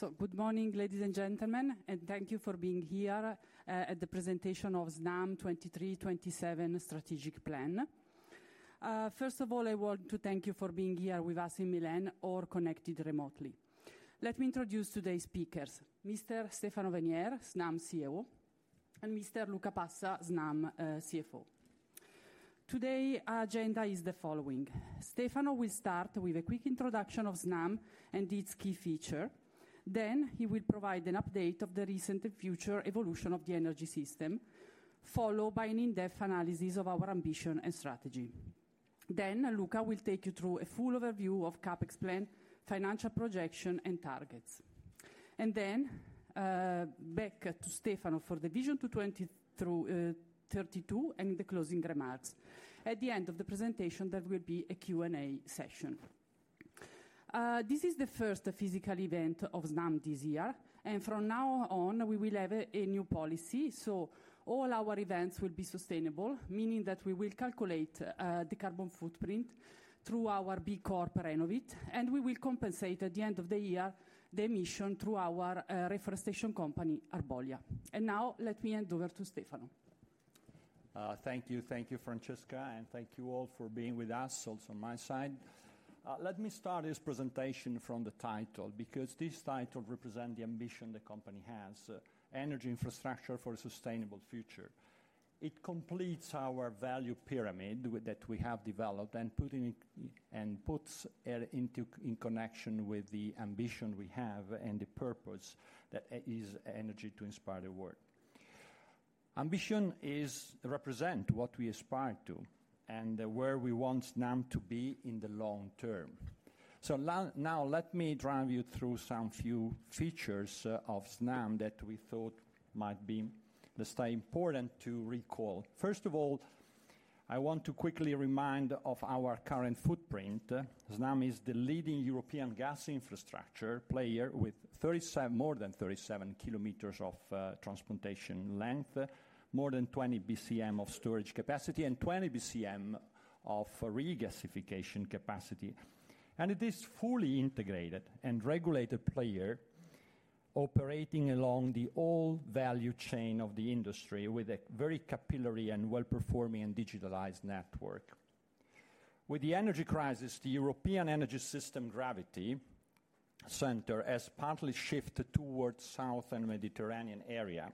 Good morning, ladies and gentlemen, and thank you for being here at the presentation of Snam 2023-2027 strategic plan. First of all, I want to thank you for being here with us in Milan or connected remotely. Let me introduce today's speakers: Mr. Stefano Venier, Snam CEO, and Mr. Luca Passa, Snam CFO. Today, our agenda is the following: Stefano will start with a quick introduction of Snam and its key feature. Then he will provide an update of the recent and future evolution of the energy system, followed by an in-depth analysis of our ambition and strategy. Then Luca will take you through a full overview of CapEx plan, financial projection, and targets. And then, back to Stefano for the vision to 2027 through 2032, and the closing remarks. At the end of the presentation, there will be a Q&A session. This is the first physical event of Snam this year, and from now on, we will have a new policy. So all our events will be sustainable, meaning that we will calculate the carbon footprint through our B Corp Renovit, and we will compensate at the end of the year the emission through our reforestation company, Arbolia. Now let me hand over to Stefano. Thank you. Thank you, Francesca, and thank you all for being with us, also on my side. Let me start this presentation from the title, because this title represent the ambition the company has, Energy Infrastructure for a Sustainable Future. It completes our value pyramid that we have developed and puts it into connection with the ambition we have and the purpose that is energy to inspire the world. Ambition is represent what we aspire to and where we want Snam to be in the long-term. So now, let me drive you through some few features of Snam that we thought might be, let's say, important to recall. First of all, I want to quickly remind of our current footprint. Snam is the leading European gas infrastructure player, with more than 37 km of transportation length, more than 20 BCM of storage capacity, and 20 BCM of regasification capacity. It is fully integrated and regulated player, operating along the whole value chain of the industry with a very capillary and well-performing and digitalized network. With the energy crisis, the European energy system gravity center has partly shifted towards south and Mediterranean area.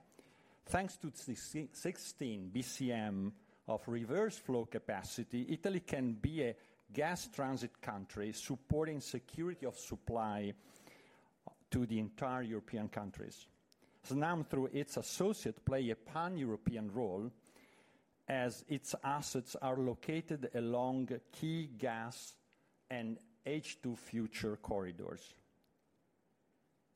Thanks to 16 BCM of reverse flow capacity, Italy can be a gas transit country, supporting security of supply to the entire European countries. Snam, through its associate, play a pan-European role as its assets are located along key gas and H2 future corridors.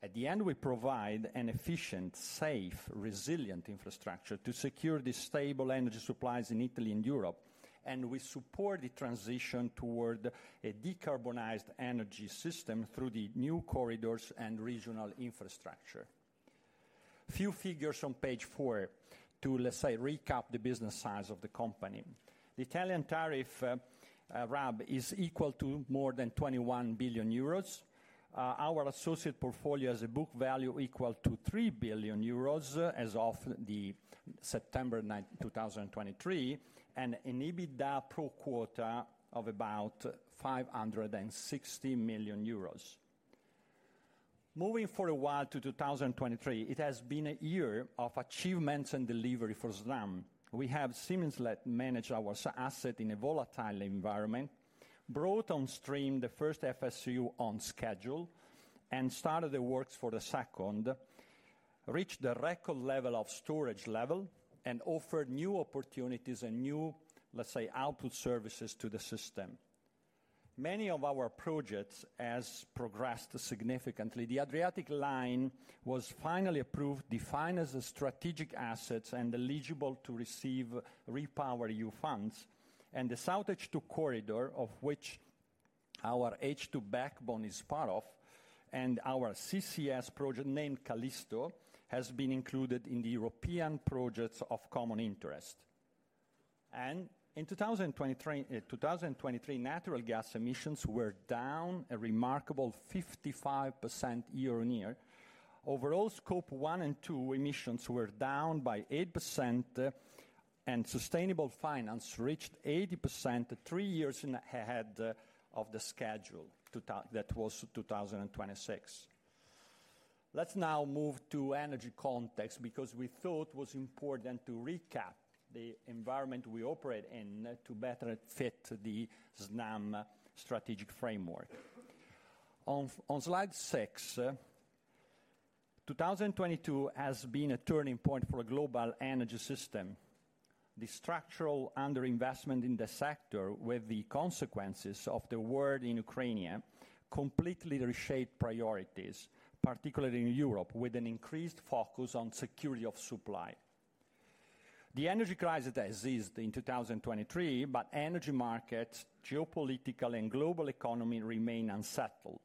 At the end, we provide an efficient, safe, resilient infrastructure to secure the stable energy supplies in Italy and Europe, and we support the transition toward a decarbonized energy system through the new corridors and regional infrastructure. Few figures on Page 4 to, let's say, recap the business size of the company. The Italian tariff RAB is equal to more than 21 billion euros. Our associate portfolio has a book value equal to 3 billion euros as of September 9, 2023, and an EBITDA pro quota of about 560 million euros. Moving for a while to 2023, it has been a year of achievements and delivery for Snam. We have seamlessly managed our assets in a volatile environment, brought on stream the first FSRU on schedule, and started the works for the second, reached a record level of storage, and offered new opportunities and new, let's say, output services to the system. Many of our projects has progressed significantly. The Adriatic Line was finally approved, defined as a strategic asset, and eligible to receive REPowerEU funds, and the SoutH2 Corridor, of which our H2 backbone is part of, and our CCS project, named Callisto, has been included in the European projects of Common Interest. In 2023, natural gas emissions were down a remarkable 55% year-on-year. Overall, Scope 1 and 2 emissions were down by 8%, and sustainable finance reached 80%, three years ahead of the schedule, that was 2026. Let's now move to energy context, because we thought it was important to recap the environment we operate in to better fit the Snam strategic framework. On Slide 6, 2022 has been a turning point for a Global Energy System. The structural underinvestment in the sector, with the consequences of the war in Ukraine, completely reshaped priorities, particularly in Europe, with an increased focus on security of supply. The energy crisis has eased in 2023, but energy markets, geopolitical and global economy remain unsettled.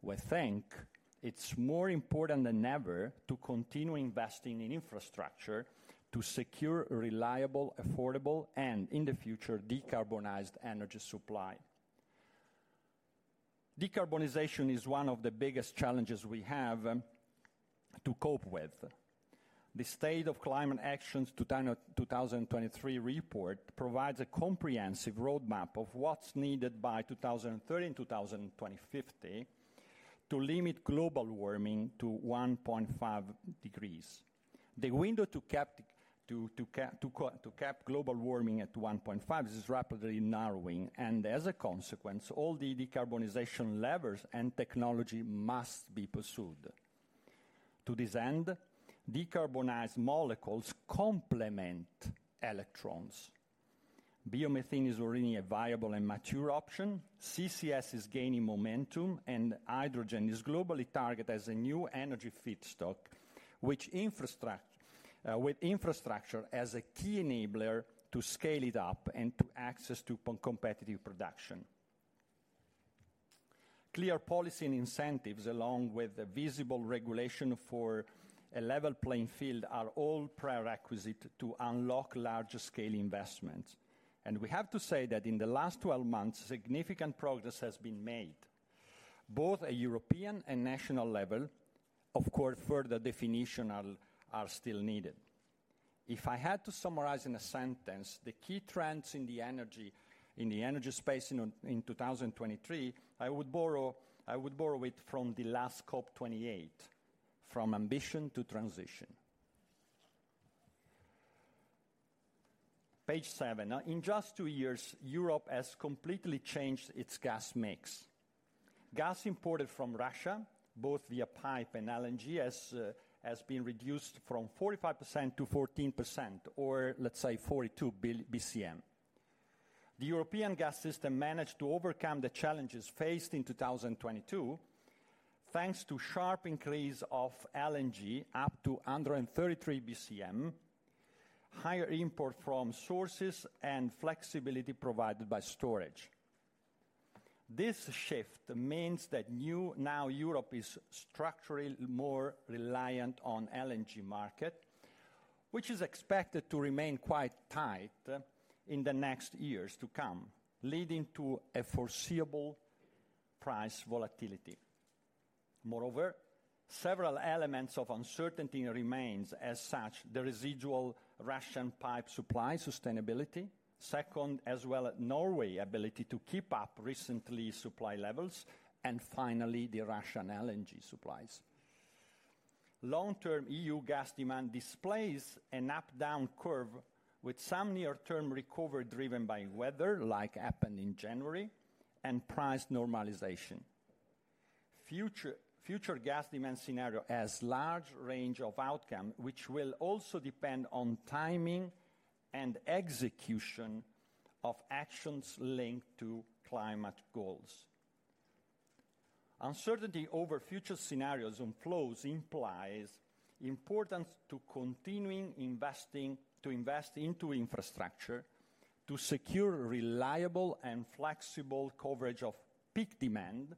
We think it's more important than ever to continue investing in infrastructure to secure reliable, affordable, and in the future, decarbonized energy supply. Decarbonization is one of the biggest challenges we have to cope with. The State of Climate Action 2023 report provides a comprehensive roadmap of what's needed by 2030 and 2050, to limit global warming to 1.5 degrees. The window to cap global warming at 1.5 degrees is rapidly narrowing, and as a consequence, all the decarbonization levers and technology must be pursued. To this end, decarbonized molecules complement electrons. Biomethane is already a viable and mature option. CCS is gaining momentum, and hydrogen is globally targeted as a new energy feedstock, which, with infrastructure as a key enabler to scale it up and to access to competitive production. Clear policy and incentives, along with a visible regulation for a level playing field, are all prerequisite to unlock large-scale investments. And we have to say that in the last 12 months, significant progress has been made. Both at European and national level, of course, further definition are still needed. If I had to summarize in a sentence, the key trends in the energy space in 2023, I would borrow it from the last COP 28, from ambition to transition. Page 7. Now, in just 2 years, Europe has completely changed its gas mix. Gas imported from Russia, both via pipe and LNG, has been reduced from 45%-14%, or let's say 42 bcm. The European gas system managed to overcome the challenges faced in 2022, thanks to sharp increase of LNG, up to 133 BCM, higher import from sources, and flexibility provided by storage. This shift means that now Europe is structurally more reliant on LNG market, which is expected to remain quite tight in the next years to come, leading to a foreseeable price volatility. Moreover, several elements of uncertainty remains. As such, The Residual Russian Pipe Supply Sustainability. Second, as well, Norway ability to keep up recently supply levels, and finally, the Russian LNG supplies. Long-term EU gas demand displays an up-down curve, with some near-term recovery driven by weather, like happened in January, and price normalization. Future, future gas demand scenario has large range of outcome, which will also depend on timing and execution of actions linked to climate goals. Uncertainty over future scenarios and flows implies importance to continuing investing, to invest into infrastructure, to secure reliable and flexible coverage of peak demand,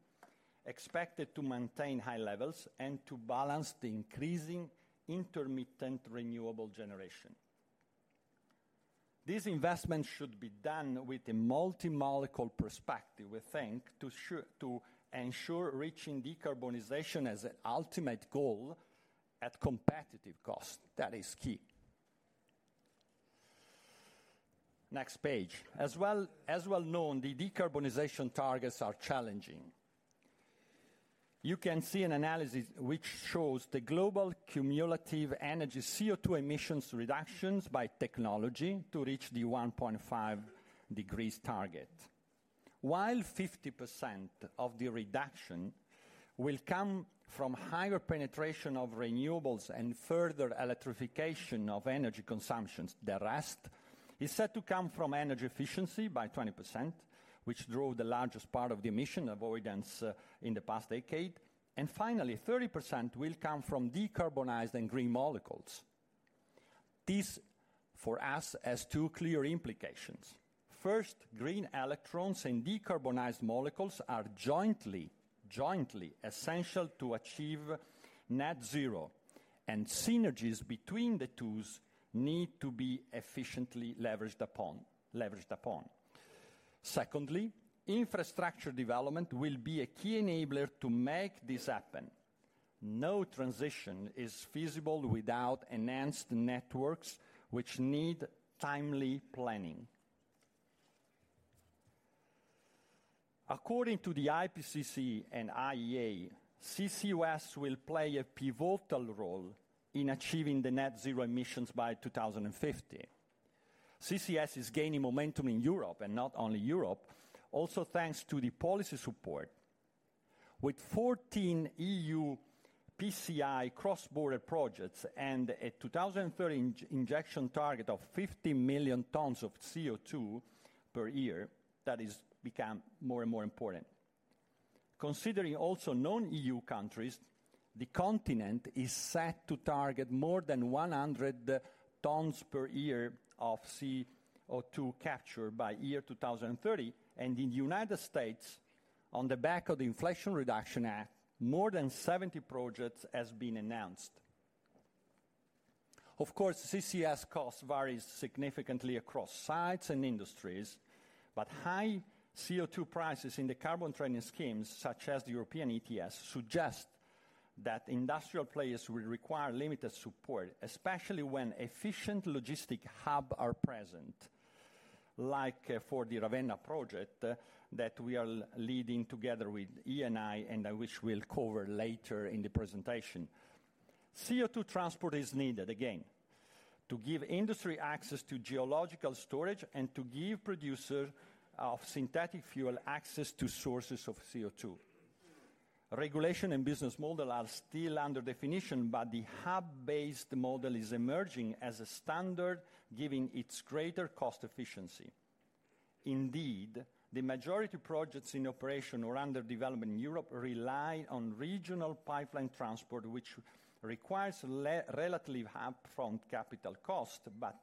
expected to maintain high levels, and to balance the increasing intermittent renewable generation. These investments should be done with a multi-molecule perspective, we think, to to ensure reaching decarbonization as an ultimate goal at competitive cost. That is key. Next page. As well, as well known, the decarbonization targets are challenging. You can see an analysis which shows the global cumulative energy CO2 emissions reductions by technology to reach the 1.5 degrees target. While 50% of the reduction will come from higher penetration of renewables and further electrification of energy consumptions, the rest is set to come from energy efficiency by 20%, which drove the largest part of the emission avoidance in the past decade. And finally, 30% will come from decarbonized and green molecules. This, for us, has two clear implications. First, green electrons and decarbonized molecules are jointly, jointly essential to achieve Net Zero, and synergies between the two need to be efficiently leveraged upon, leveraged upon. Secondly, infrastructure development will be a key enabler to make this happen. No transition is feasible without enhanced networks, which need timely planning. According to the IPCC and IEA, CCUS will play a pivotal role in achieving the Net Zero emissions by 2050. CCS is gaining momentum in Europe, and not only Europe, also thanks to the policy support. With 14 EU PCI cross-border projects and a 2030 injection target of 50 million tons of CO2 per year, that has become more and more important. Considering also non-EU countries, the continent is set to target more than 100 tons per year of CO2 capture by 2030, and in the United States, on the back of the Inflation Reduction Act, more than 70 projects have been announced. Of course, CCS cost varies significantly across sites and industries, but high CO₂ prices in the carbon trading schemes, such as the European ETS, suggest that industrial players will require limited support, especially when efficient logistic hub are present, like, for the Ravenna project, that we are leading together with Eni, and which we'll cover later in the presentation. CO₂ transport is needed, again, to give industry access to geological storage and to give producer of synthetic fuel access to sources of CO₂. Regulation and business model are still under definition, but the hub-based model is emerging as a standard, giving its greater cost efficiency. Indeed, the majority projects in operation or under development in Europe rely on regional pipeline transport, which requires relatively upfront capital cost, but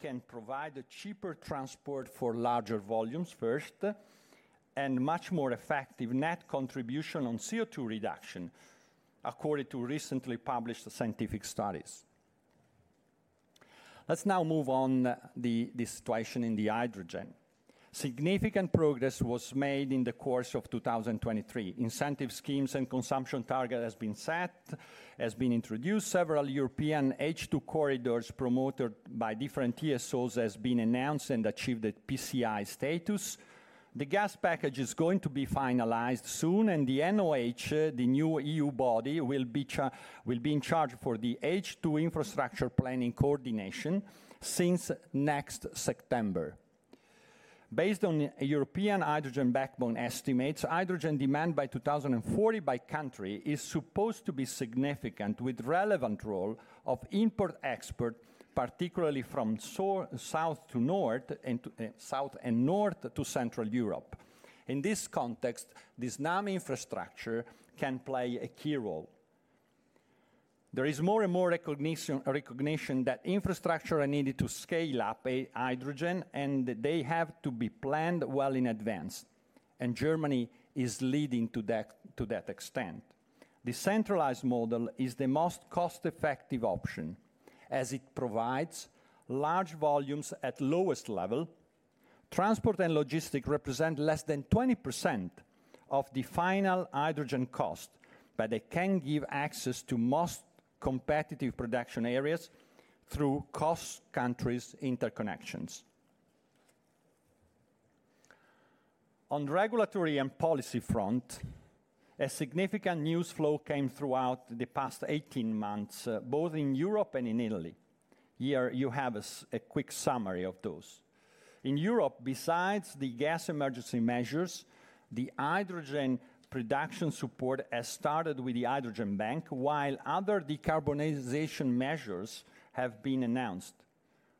can provide a cheaper transport for larger volumes first, and much more effective net contribution on CO₂ reduction, according to recently published scientific studies. Let's now move on to the situation in the hydrogen. Significant progress was made in the course of 2023. Incentive schemes and consumption target has been set, has been introduced. Several European H₂ corridors, promoted by different TSOs, has been announced and achieved PCI status. The gas package is going to be finalized soon, and the ENNOH, the new EU body, will be in charge for the H₂ infrastructure planning coordination since next September. Based on European hydrogen backbone estimates, hydrogen demand by 2040 by country is supposed to be significant, with relevant role of import, export, particularly from south to north and to south and north to Central Europe. In this context, the Snam infrastructure can play a key role. There is more and more recognition that infrastructure are needed to scale up a hydrogen, and they have to be planned well in advance, and Germany is leading to that extent. The centralized model is the most cost-effective option, as it provides large volumes at lowest level. Transport and logistic represent less than 20% of the final hydrogen cost, but they can give access to most competitive production areas through cross countries interconnections. On regulatory and policy front, a significant news flow came throughout the past 18 months, both in Europe and in Italy. Here, you have a quick summary of those. In Europe, besides the gas emergency measures, the hydrogen production support has started with the Hydrogen Bank, while other decarbonization measures have been announced.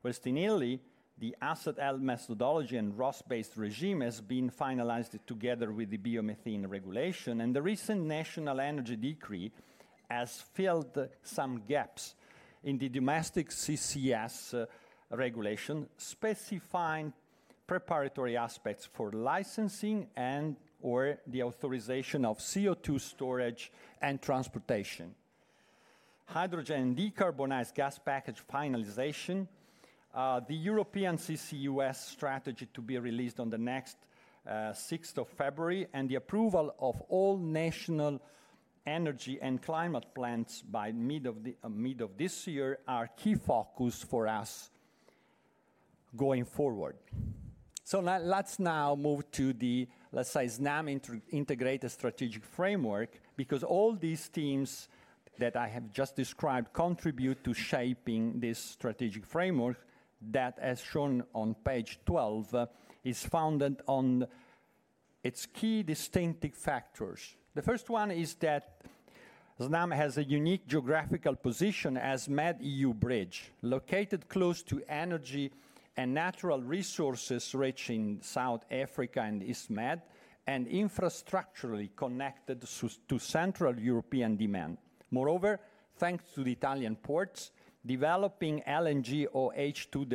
While in Italy, the Asset Health Methodology and ROSS-based regime has been finalized together with the biomethane regulation, and the recent National Energy Decree has filled some gaps in the domestic CCS regulation, specifying preparatory aspects for licensing and/or the authorization of CO₂ storage and transportation. Hydrogen decarbonized gas package finalization, the European CCUS strategy to be released on the next 6th of February, and the approval of all national energy and climate plans by mid of this year, are key focus for us going forward. Let's now move to the, let's say, Snam integrated strategic framework, because all these teams that I have just described contribute to shaping this strategic framework that, as shown on Page 12, is founded on its key distinctive factors. The first one is that Snam has a unique geographical position as Med-EU bridge, located close to energy and natural resources reaching South Africa and East Med, and infrastructurally connected to Central European demand. Moreover, thanks to the Italian ports, developing LNG or H₂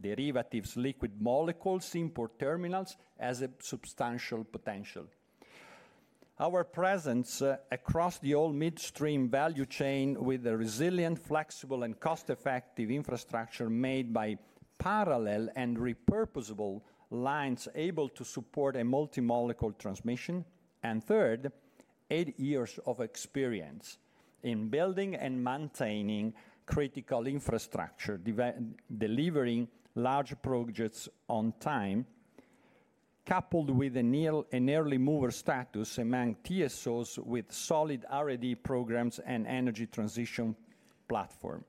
derivatives liquid molecules import terminals as a substantial potential. Our presence across the whole midstream value chain with a resilient, flexible, and cost-effective infrastructure made by parallel and repurposable lines able to support a multi-molecule transmission. Third, eight years of experience in building and maintaining critical infrastructure, delivering large projects on time, coupled with an early mover status among TSOs with solid R&D programs and energy transition platform.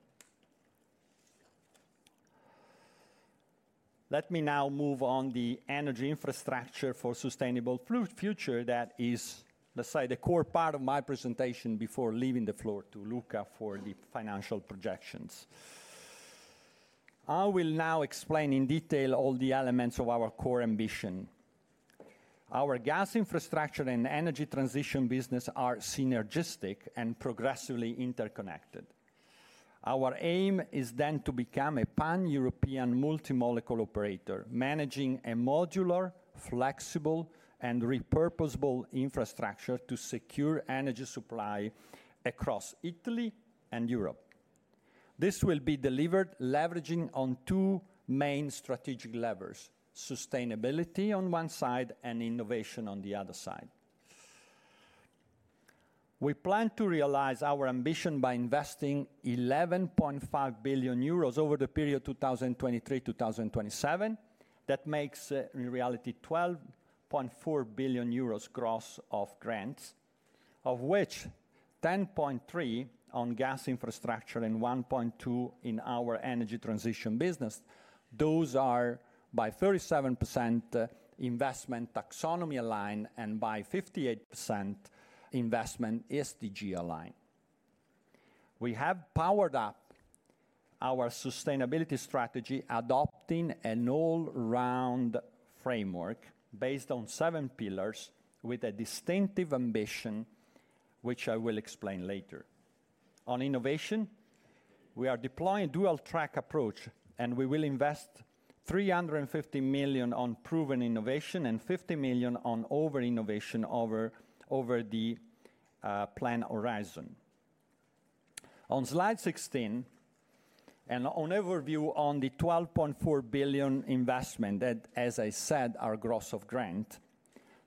Let me now move on to the Energy Infrastructure for Sustainable Future. That is, let's say, the core part of my presentation before leaving the floor to Luca for the financial projections. I will now explain in detail all the elements of our core ambition. Our gas infrastructure and energy transition business are synergistic and progressively interconnected. Our aim is then to become a pan-European multi-molecule operator, managing a modular, flexible, and repurposable infrastructure to secure energy supply across Italy and Europe. This will be delivered leveraging on two main strategic levers: sustainability on one side and innovation on the other side. We plan to realize our ambition by investing 11.5 billion euros over the period 2023-2027. That makes, in reality, 12.4 billion euros gross of grants, of which 10.3 billion on gas infrastructure and 1.2 billion in our energy transition business. Those are by 37% investment taxonomy aligned, and by 58% investment SDG aligned. We have powered up our sustainability strategy, adopting an all-round framework based on seven pillars with a distinctive ambition, which I will explain later. On innovation, we are deploying dual track approach, and we will invest 350 million on proven innovation and 50 million on over innovation over the plan horizon. On Slide 16, an overview on the 12.4 billion investment that, as I said, are gross of grant,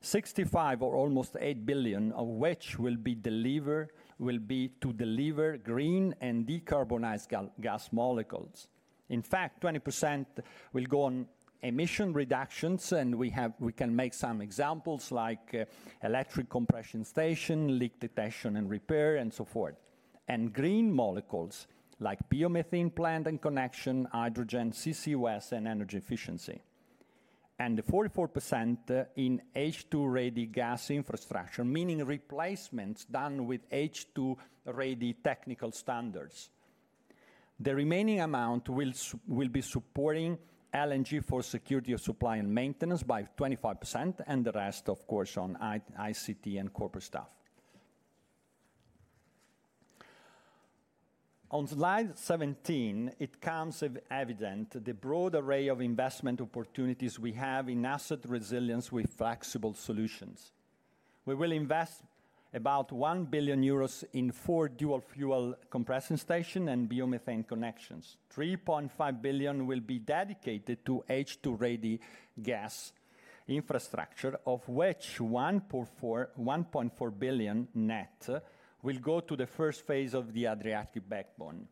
6.5 billion or almost 8 billion of which will be to deliver green and decarbonized gas molecules. In fact, 20% will go on emission reductions, and we can make some examples like, electric compression station, leak detection and repair, and so forth. And green molecules, like biomethane plant and connection, hydrogen, CCUS, and energy efficiency. And the 44% in H2-ready gas infrastructure, meaning replacements done with H2-ready technical standards. The remaining amount will be supporting LNG for security of supply and maintenance by 25%, and the rest, of course, on ICT and corporate staff. On Slide 17, it becomes evident the broad array of investment opportunities we have in asset resilience with flexible solutions. We will invest about 1 billion euros in four dual fuel compression station and biomethane connections. 3.5 billion will be dedicated to H2-ready gas infrastructure, of which 1.4 billion, 1.4 billion net will go to the first phase of the Adriatic Backbone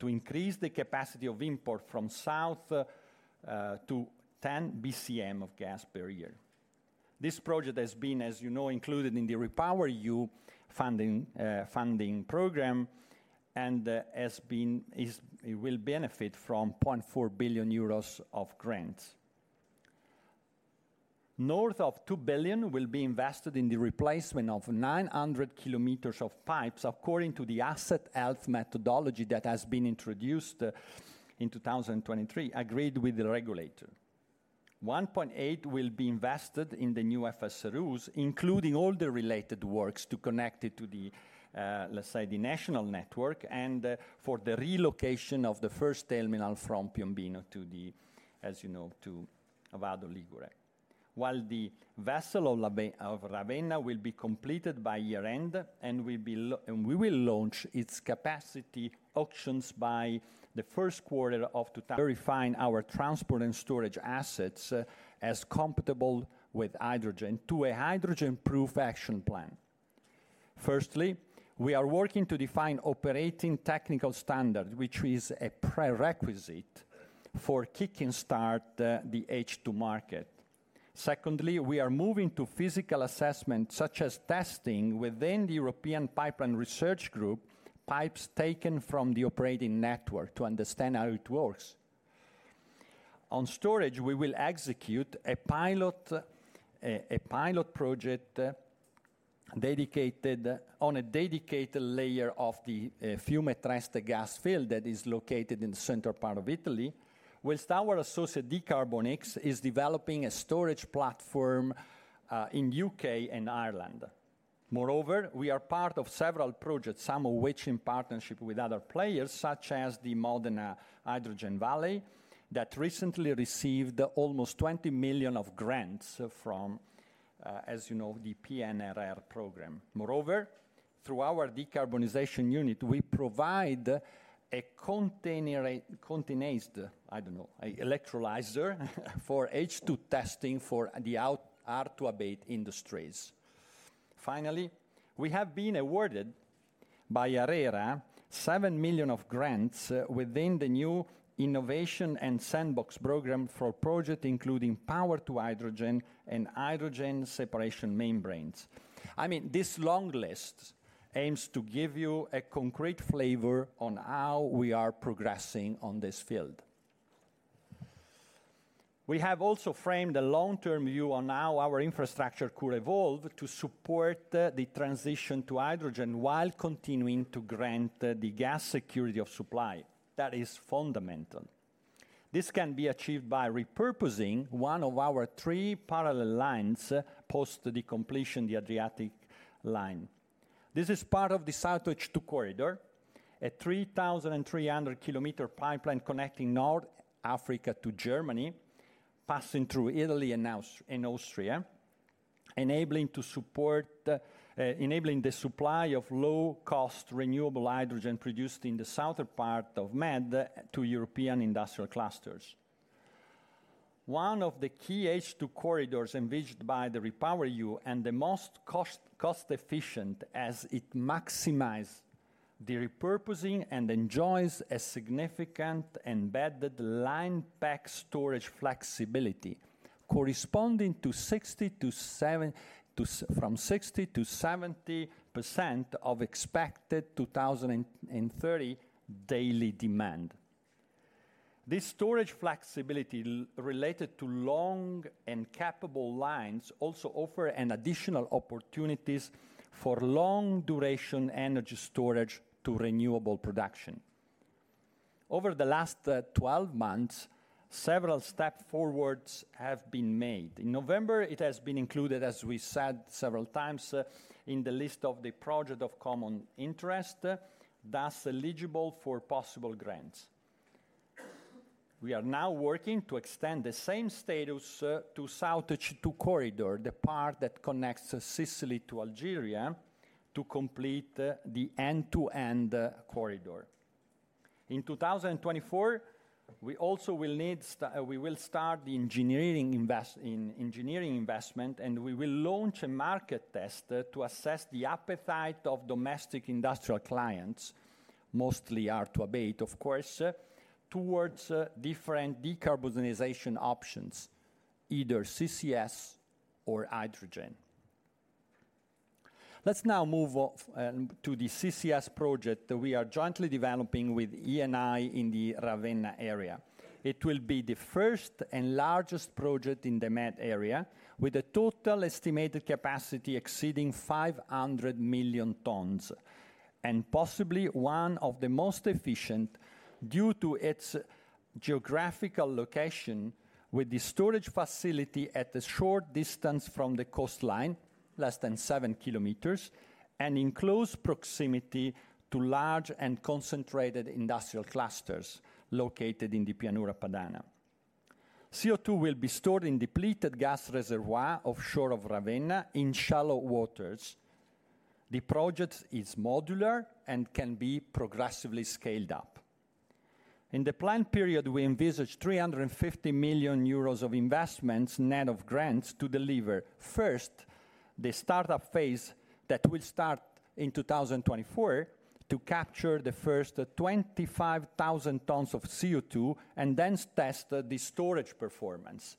to increase the capacity of import from south to 10 BCM of gas per year. This project has been, as you know, included in the REPowerEU funding program, and it will benefit from 0.4 billion euros of grants. North of 2 billion will be invested in the replacement of 900 kilometers of pipes, according to the Asset Health Methodology that has been introduced in 2023, agreed with the regulator. 1.8 will be invested in the new FSRU, including all the related works to connect it to the, let's say, the national network and, for the relocation of the first terminal from Piombino to the, as you know, to Vado Ligure. While the vessel of Ravenna will be completed by year-end, and we will launch its capacity auctions by the first quarter of 2025. Verifying our transport and storage assets as compatible with hydrogen to a hydrogen-proof action plan. Firstly, we are working to define operating technical standard, which is a prerequisite for kicking start the H2 market. Secondly, we are moving to physical assessment, such as testing within the European Pipeline Research Group, pipes taken from the operating network to understand how it works. On storage, we will execute a pilot project dedicated to a dedicated layer of the Fiume Treste gas field that is located in the central part of Italy, while our associate, dCarbonX, is developing a storage platform in UK and Ireland. Moreover, we are part of several projects, some of which in partnership with other players, such as the Modena Hydrogen Valley, that recently received almost 20 million of grants from, as you know, the PNRR program. Moreover, through our decarbonization unit, we provide a containerized, I don't know, an electrolyzer, for H2 testing for the hard-to-abate industries. Finally, we have been awarded by ARERA, 7 million of grants, within the new innovation and sandbox program for projects, including power to hydrogen and hydrogen separation membranes. I mean, this long list aims to give you a concrete flavor on how we are progressing on this field. We have also framed a long-term view on how our infrastructure could evolve to support the transition to hydrogen while continuing to grant the gas security of supply. That is fundamental. This can be achieved by repurposing one of our three parallel lines post the completion, the Adriatic Line. This is part of the SoutH2 Corridor, a 3,300 km pipeline connecting North Africa to Germany, passing through Italy and Austria. Enabling to support the enabling the supply of low-cost renewable hydrogen produced in the southern part of Med to European industrial clusters. One of the key H2 corridors envisaged by the REPowerEU and the most cost efficient as it maximize the repurposing and enjoys a significant embedded line pack storage flexibility, corresponding to 60%-70% of expected 2030 daily demand. This storage flexibility related to long and capable lines also offer an additional opportunities for long duration energy storage to renewable production. Over the last 12 months, several steps forward have been made. In November, it has been included, as we said several times, in the list of the Project of Common Interest, thus eligible for possible grants. We are now working to extend the same status to SoutH2 corridor, the part that connects Sicily to Algeria, to complete the end-to-end corridor. In 2024, we also will start the engineering investment, and we will launch a market test to assess the appetite of domestic industrial clients, mostly hard-to-abate, of course, towards different decarbonization options, either CCS or hydrogen. Let's now move on to the CCS project that we are jointly developing with Eni in the Ravenna area. It will be the first and largest project in the Med area, with a total estimated capacity exceeding 500 million tons, and possibly one of the most efficient due to its geographical location, with the storage facility at a short distance from the coastline, less than 7 km, and in close proximity to large and concentrated industrial clusters located in the Pianura Padana. CO2 will be stored in depleted gas reservoir offshore of Ravenna, in shallow waters. The project is modular and can be progressively scaled up. In the planned period, we envisage 350 million euros of investments, net of grants, to deliver first, the startup phase that will start in 2024 to capture the first 25,000 tons of CO2 and then test the storage performance.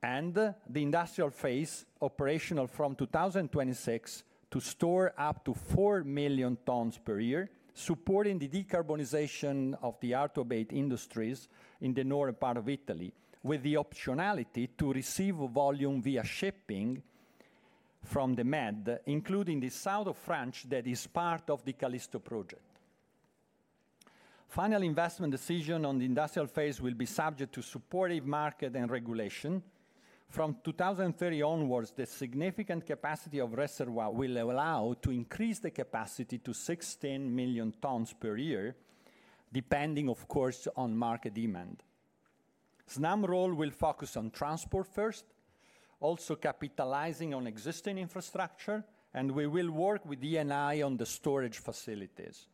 The industrial phase, operational from 2026, to store up to 4 million tons per year, supporting the decarbonization of the hard-to-abate industries in the northern part of Italy, with the optionality to receive a volume via shipping from the Med, including the south of France, that is part of the Callisto project. Final investment decision on the industrial phase will be subject to supportive market and regulation. From 2030 onwards, the significant capacity of reservoir will allow to increase the capacity to 16 million tons per year, depending, of course, on market demand. Snam's role will focus on transport first, also capitalizing on existing infrastructure, and we will work with Eni on the storage facilities.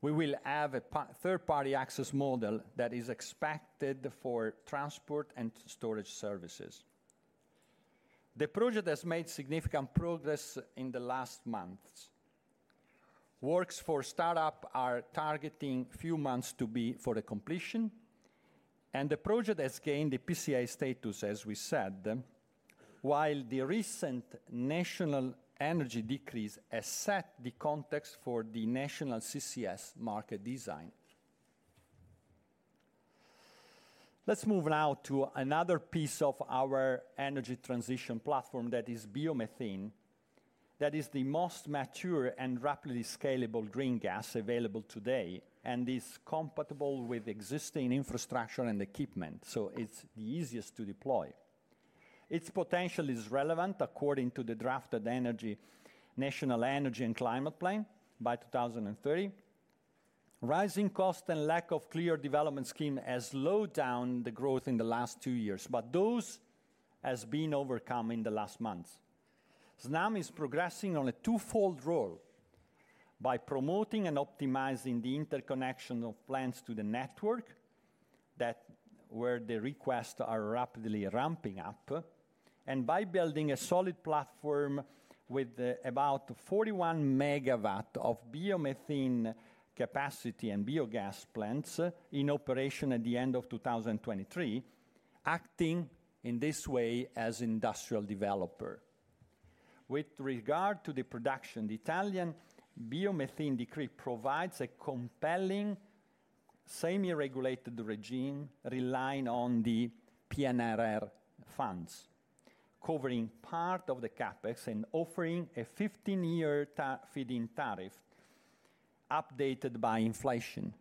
We will have a third-party access model that is expected for transport and storage services. The project has made significant progress in the last months. Works for startup are targeting few months to be for the completion, and the project has gained the PCI status, as we said, while the recent national energy decree has set the context for the national CCS market design. Let's move now to another piece of our energy transition platform that is Biomethane. That is the most mature and rapidly scalable green gas available today and is compatible with existing infrastructure and equipment, so it's the easiest to deploy. Its potential is relevant according to the drafted energy National Energy and Climate Plan by 2030. Rising cost and lack of clear development scheme has slowed down the growth in the last two years, but those has been overcome in the last months. Snam is progressing on a twofold role by promoting and optimizing the interconnection of plants to the network, that where the requests are rapidly ramping up, and by building a solid platform with about 41 MW of biomethane capacity and biogas plants in operation at the end of 2023, acting in this way as industrial developer. With regard to the production, the Italian biomethane decree provides a compelling semi-regulated regime, relying on the PNRR funds, covering part of the CapEx and offering a 15-year feed-in tariff, updated by inflation.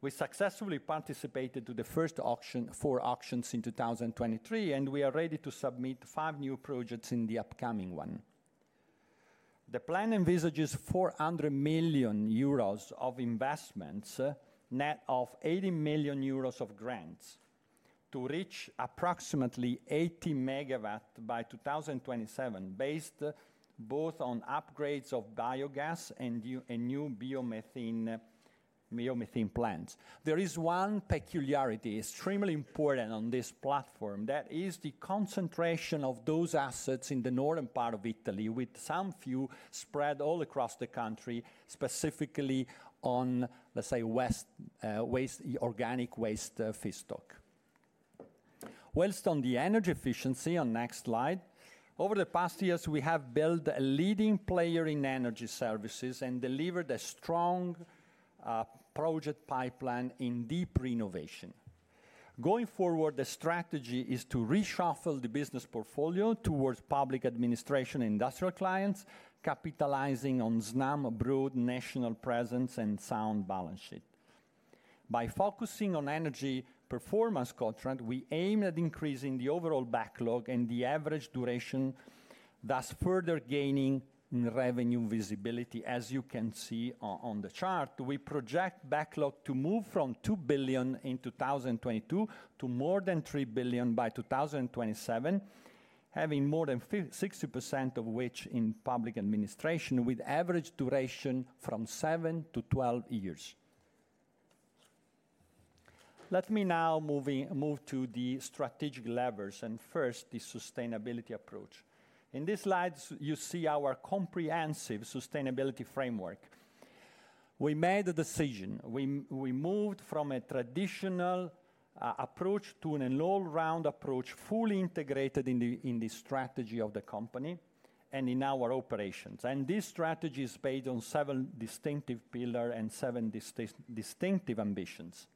We successfully participated to the first auction, four auctions in 2023, and we are ready to submit 5 new projects in the upcoming one. The plan envisages 400 million euros of investments, net of 80 million euros of grants, to reach approximately 80 MW by 2027, based both on upgrades of biogas and new, and new Biomethane, Biomethane plants. There is one peculiarity, extremely important on this platform, that is the concentration of those assets in the northern part of Italy, with some few spread all across the country, specifically on, let's say, west, waste, organic waste, feedstock. While on the energy efficiency, on next slide, over the past years, we have built a leading player in energy services and delivered a strong project pipeline in deep renovation. Going forward, the strategy is to reshuffle the business portfolio towards public administration and industrial clients, capitalizing on Snam's national presence abroad and sound balance sheet. By focusing on energy performance contract, we aim at increasing the overall backlog and the average duration, thus further gaining revenue visibility. As you can see on the chart, we project backlog to move from 2 billion in 2022 to more than 3 billion by 2027, having more than 60% of which in public administration, with average duration from 7-12 years. Let me now move to the strategic levers and first, the sustainability approach. In this slide, you see our comprehensive sustainability framework. We made a decision. We moved from a traditional approach to an all-round approach, fully integrated in the strategy of the company and in our operations. This strategy is based on seven distinctive pillars and seven distinctive ambitions.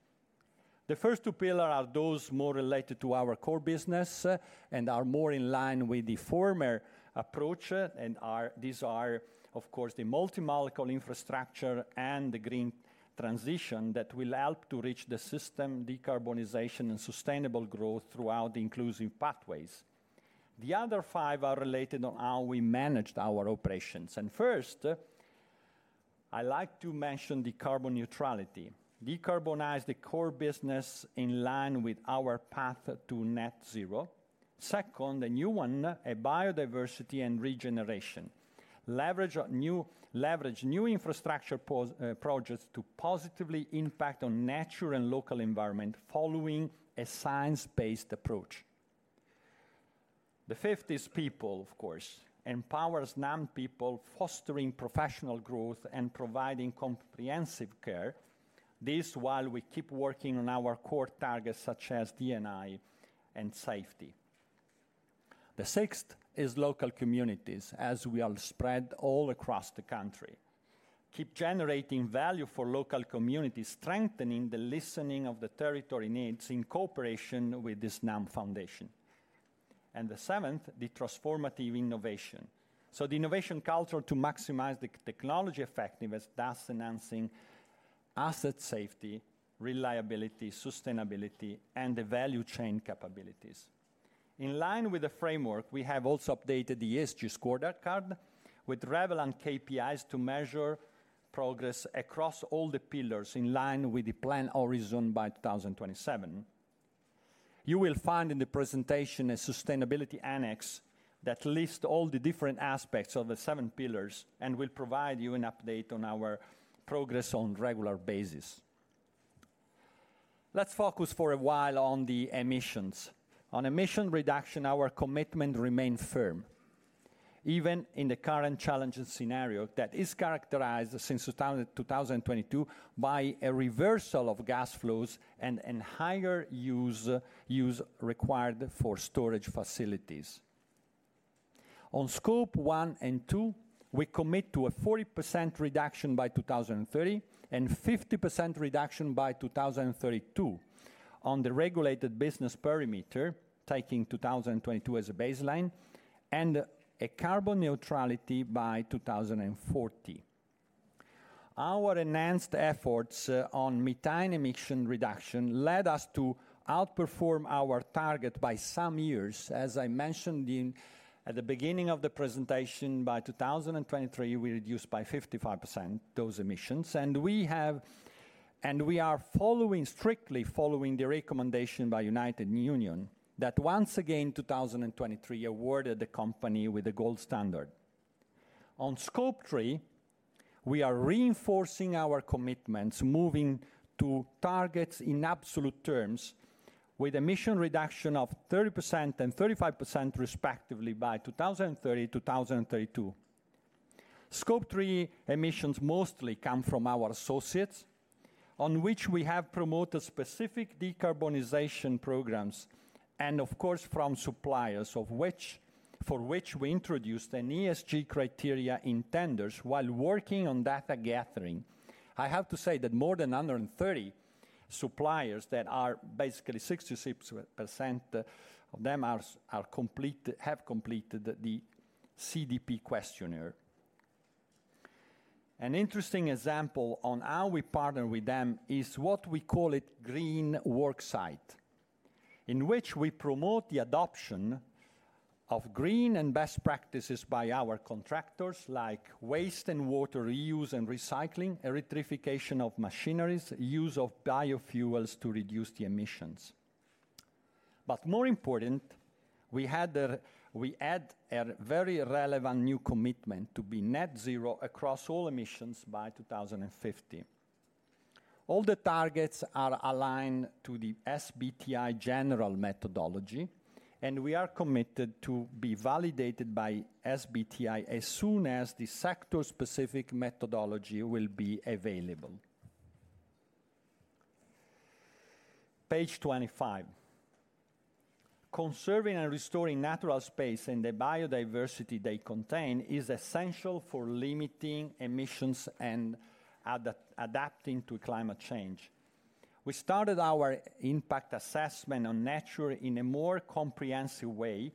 The first two pillars are those more related to our core business, and are more in line with the former approach, and these are, of course, the multi-molecule infrastructure and the green transition that will help to reach the system decarbonization and sustainable growth throughout the inclusive pathways. The other five are related on how we manage our operations, and first I like to mention the carbon neutrality: Decarbonize the core business in line with our path to Net Zero. Second, a new one, biodiversity and regeneration. Leverage new infrastructure projects to positively impact on natural and local environment following a science-based approach. The fifth is People, of course. Empowers Snam people, fostering professional growth and providing comprehensive care. This while we keep working on our core targets, such as D&I and Safety. The sixth is Local Communities, as we are spread all across the country. Keep generating value for local communities, strengthening the listening of the territory needs in cooperation with the Snam Foundation .And the 7th, the Transformative Innovation. So the innovation culture to maximize the technology effectiveness, thus enhancing asset safety, reliability, sustainability, and the value chain capabilities. In line with the framework, we have also updated the ESG scorecard with relevant KPIs to measure progress across all the pillars in line with the plan horizon by 2027. You will find in the presentation a sustainability annex that lists all the different aspects of the seven pillars and will provide you an update on our progress on regular basis. Let's focus for a while on the emissions. On emission reduction, our commitment remain firm, even in the current challenging scenario that is characterized since 2022 by a reversal of gas flows and higher use required for storage facilities. On Scope 1 and 2, we commit to a 40% reduction by 2030, and 50% reduction by 2032 on the regulated business perimeter, taking 2022 as a baseline, and a carbon neutrality by 2040. Our enhanced efforts on methane emission reduction led us to outperform our target by some years. As I mentioned at the beginning of the presentation, by 2023, we reduced by 55% those emissions, and we have and we are following, strictly following the recommendation by United Nations, that once again, 2023 awarded the company with a gold standard. On Scope 3, we are reinforcing our commitments, moving to targets in absolute terms, with emission reduction of 30% and 35% respectively by 2030, 2032. Scope 3 emissions mostly come from our associates, on which we have promoted specific decarbonization programs, and of course, from suppliers, of which for which we introduced an ESG criteria in tenders while working on data gathering. I have to say that more than 130 suppliers that are basically 66% of them are complete, have completed the CDP questionnaire. An interesting example on how we partner with them is what we call it Green Worksite, in which we promote the adoption of green and best practices by our contractors, like waste and water reuse and recycling, electrification of machineries, use of biofuels to reduce the emissions. But more important, we add a very relevant new commitment to be Net Zero across all emissions by 2050. All the targets are aligned to the SBTi general methodology, and we are committed to be validated by SBTi as soon as the sector-specific methodology will be available. Page 25. Conserving and restoring natural space and the biodiversity they contain is essential for limiting emissions and adapting to climate change. We started our impact assessment on nature in a more comprehensive way.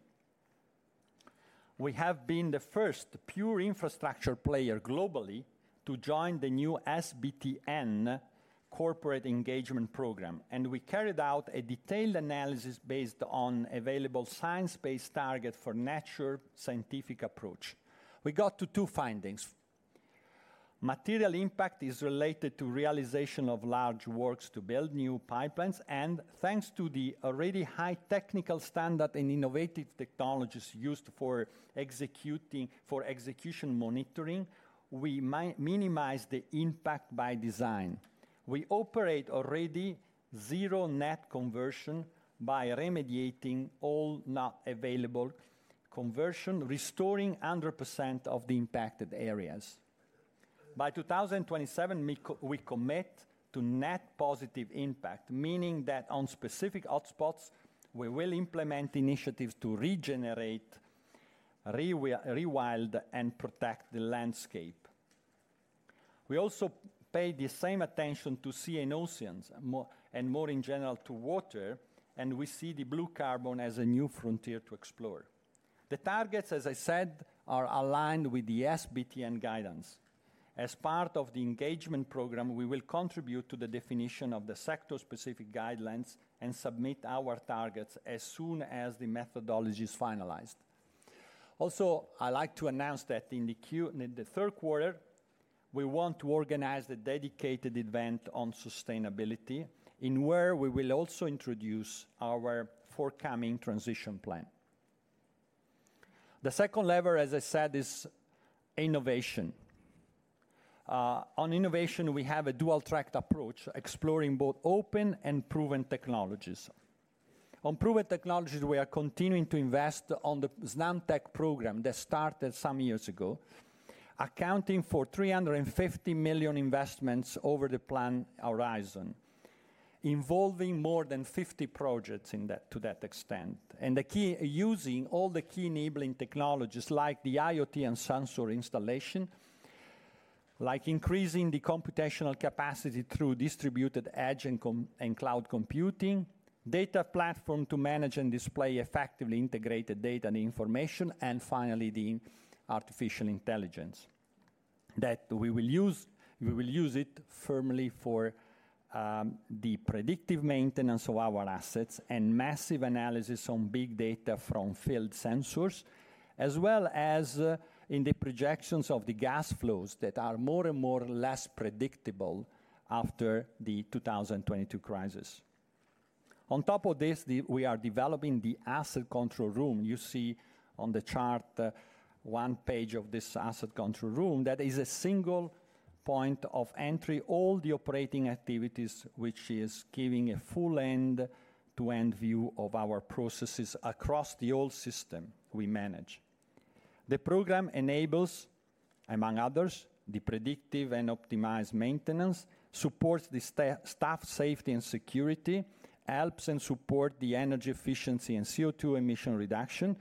We have been the first pure infrastructure player globally to join the new SBTn Corporate Engagement Program, and we carried out a detailed analysis based on available science-based target for nature scientific approach. We got to two findings: material impact is related to realization of large works to build new pipelines, and thanks to the already high technical standard and innovative technologies used for executing, for execution monitoring, we minimize the impact by design. We operate already zero net conversion by remediating all not available conversion, restoring 100% of the impacted areas. By 2027, we commit to net positive impact, meaning that on specific hotspots, we will implement initiatives to regenerate, rewild, and protect the landscape. We also pay the same attention to sea and oceans, more and more in general to water, and we see the blue carbon as a new frontier to explore. The targets, as I said, are aligned with the SBTn guidance. As part of the engagement program, we will contribute to the definition of the sector-specific guidelines and submit our targets as soon as the methodology is finalized. Also, I like to announce that in the third quarter, we want to organize a dedicated event on sustainability, in where we will also introduce our forthcoming transition plan. The second lever, as I said, is innovation. On innovation, we have a dual-tracked approach, exploring both open and proven technologies. On proven technologies, we are continuing to invest on the SnamTEC program that started some years ago, accounting for 350 million investments over the plan horizon, involving more than 50 projects in that, to that extent. And the key enabling technologies, using all of them, like the IoT and sensor installation, like increasing the computational capacity through distributed edge computing and cloud computing, data platform to manage and display effectively integrated data and information, and finally, the artificial intelligence that we will use. We will use it firmly for the predictive maintenance of our assets and massive analysis on big data from field sensors, as well as in the projections of the gas flows that are more and more less predictable after the 2022 crisis. On top of this, we are developing the Asset Control Room. You see on the chart, one page of this Asset Control Room. That is a single point of entry, all the operating activities, which is giving a full end-to-end view of our processes across the whole system we manage. The program enables, among others, the predictive and optimized maintenance, supports the staff safety and security, helps and support the energy efficiency and CO2 emission reduction,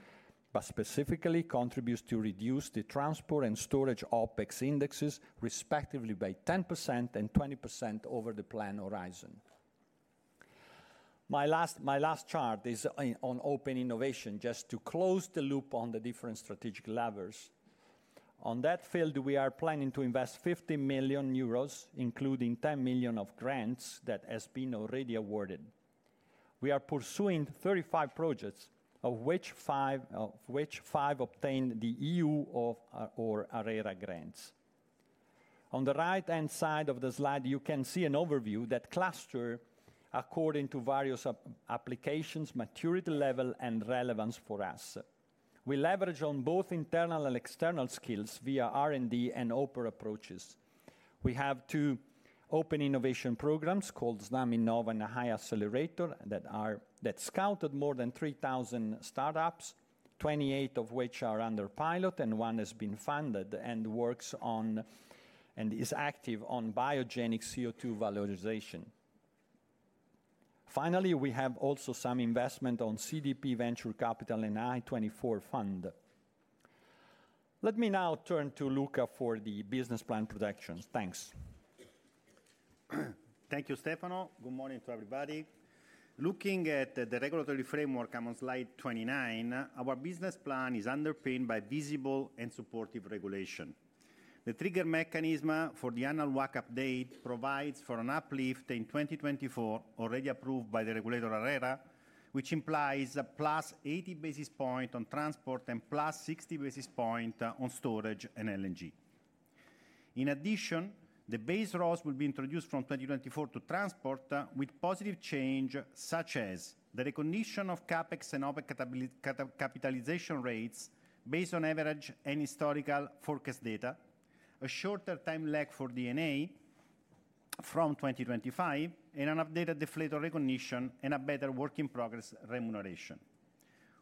but specifically contributes to reduce the transport and storage OpEx indexes, respectively by 10% and 20% over the plan horizon. My last chart is on open innovation, just to close the loop on the different strategic levers. On that field, we are planning to invest 50 million euros, including 10 million of grants that has been already awarded. We are pursuing 35 projects, of which five obtained the EU or ARERA grants. On the right-hand side of the slide, you can see an overview that clusters according to various applications, maturity level, and relevance for us. We leverage on both internal and external skills via R&D and open approaches. We have two open innovation programs called Snaminnova and HyAccelerator, that scouted more than 3,000 startups, 28 of which are under pilot, and one has been funded and works on, and is active on biogenic CO2 valorization. Finally, we have also some investment on CDP Venture Capital and Hy24 Fund. Let me now turn to Luca for the business plan projections. Thanks. Thank you, Stefano. Good morning to everybody. Looking at the regulatory framework on Slide 29, our business plan is underpinned by visible and supportive regulation. The trigger mechanism for the annual WACC update provides for an uplift in 2024, already approved by the regulator, ARERA, which implies a +80 basis points on transport and +60 basis points on storage and LNG. In addition, the base ROSS will be introduced from 2024 to transport, with positive change, such as the recognition of CapEx and OpEx capitalization rates based on average and historical forecast data, a shorter time lag for D&A from 2025, and an updated deflator recognition and a better work-in-progress remuneration.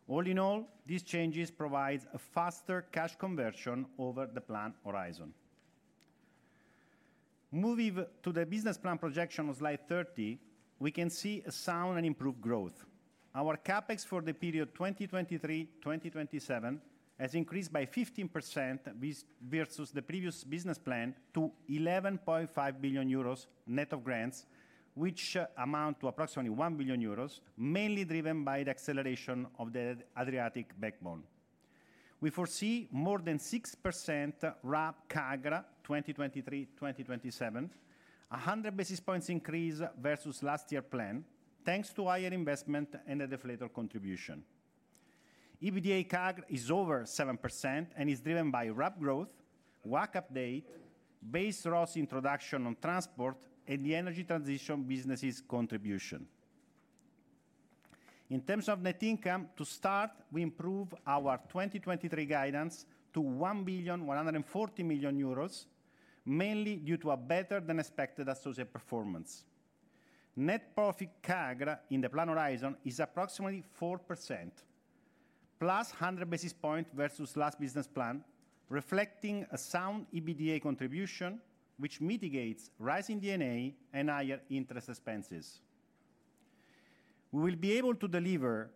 All in all, these changes provides a faster cash conversion over the plan horizon. Moving to the business plan projection on Slide 30, we can see a sound and improved growth. Our CapEx for the period 2023-2027 has increased by 15% versus the previous business plan to 11.5 billion euros, net of grants, which amount to approximately 1 billion euros, mainly driven by the acceleration of the Adriatic Backbone. We foresee more than 6% RAB CAGR, 2023-2027, a 100 basis points increase versus last year plan, thanks to higher investment and the deflator contribution. EBITDA CAGR is over 7% and is driven by RAB growth, WACC update, base ROSS introduction on transport, and the energy transition businesses contribution. In terms of net income, to start, we improve our 2023 guidance to 1.14 billion, mainly due to a better-than-expected associate performance. Net profit CAGR in the plan horizon is approximately 4%, +100 basis points versus last business plan, reflecting a sound EBITDA contribution, which mitigates rising D&A and higher interest expenses. We will be able to deliver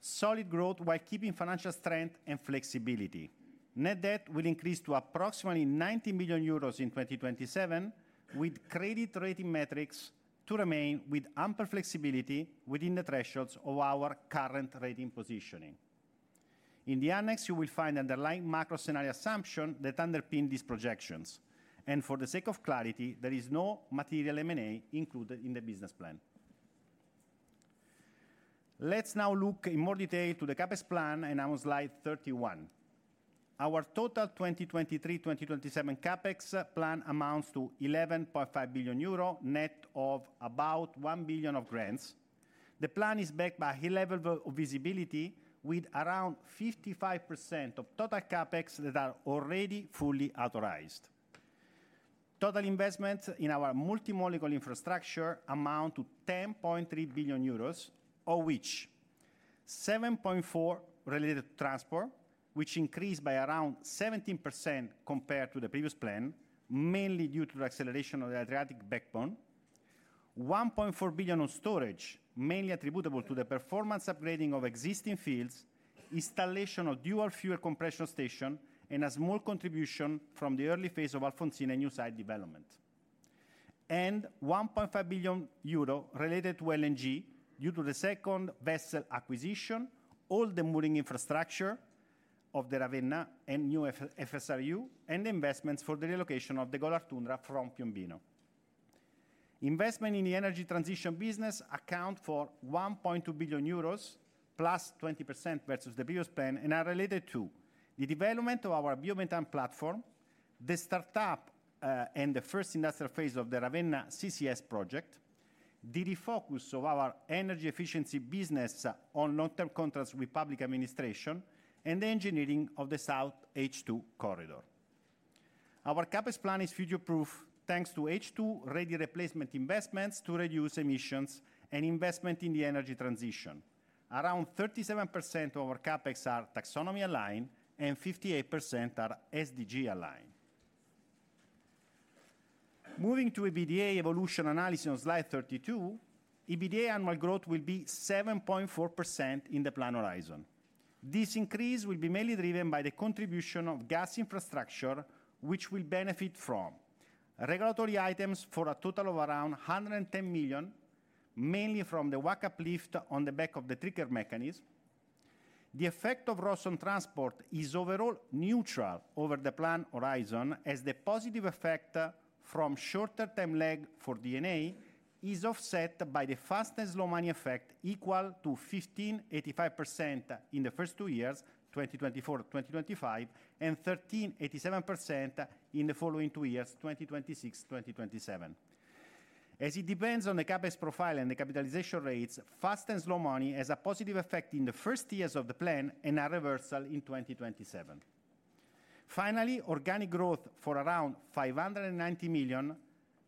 solid growth while keeping financial strength and flexibility. Net debt will increase to approximately 90 billion euros in 2027, with credit rating metrics to remain with ample flexibility within the thresholds of our current rating positionin. In the Annex, you will find underlying macro scenario assumption that underpin these projections, and for the sake of clarity, there is no material M&A included in the business plan. Let's now look in more detail to the CapEx plan, and on Slide 31. Our total 2023-2027 CapEx plan amounts to 11.5 billion euro, net of about 1 billion of grants. The plan is backed by high level of visibility, with around 55% of total CapEx that are already fully authorized. Total investments in our multi-molecule infrastructure amount to 10.3 billion euros, of which 7.4 billion related to transport, which increased by around 17% compared to the previous plan, mainly due to the acceleration of the Adriatic Backbone. 1.4 billion on storage, mainly attributable to the performance upgrading of existing fields, installation of dual-fuel compression station, and a small contribution from the early phase of Alfonsine new site development. One point five billion euro related to LNG due to the second vessel acquisition, all the mooring infrastructure of the Ravenna and new FSRU, and investments for the relocation of the Golar Tundra from Piombino. Investment in the energy transition business account for 1.2 billion euros, +20% versus the previous plan, and are related to the development of our Biomethane platform, the startup, and the first industrial phase of the Ravenna CCS project, the refocus of our energy efficiency business on long-term contracts with public administration, and the engineering of the SoutH2 Corridor. Our CapEx plan is future-proof, thanks to H2-ready replacement investments to reduce emissions and investment in the energy transition. Around 37% of our CapEx are taxonomy-aligned, and 58% are SDG-aligned. Moving to EBITDA evolution analysis on Slide 32, EBITDA annual growth will be 7.4% in the plan horizon. This increase will be mainly driven by the contribution of gas infrastructure, which will benefit from regulatory items for a total of around 110 million, mainly from the WACC uplift on the back of the trigger mechanism. The effect of ROSS on transport is overall neutral over the plan horizon, as the positive effect from shorter time lag for D&A is offset by the fast and slow money effect, equal to 15-85% in the first two years, 2024, 2025, and 13%-87% in the following two years, 2026/2027. As it depends on the CapEx profile and the capitalization rates, fast and slow money has a positive effect in the first years of the plan and a reversal in 2027. Finally, organic growth for around 590 million,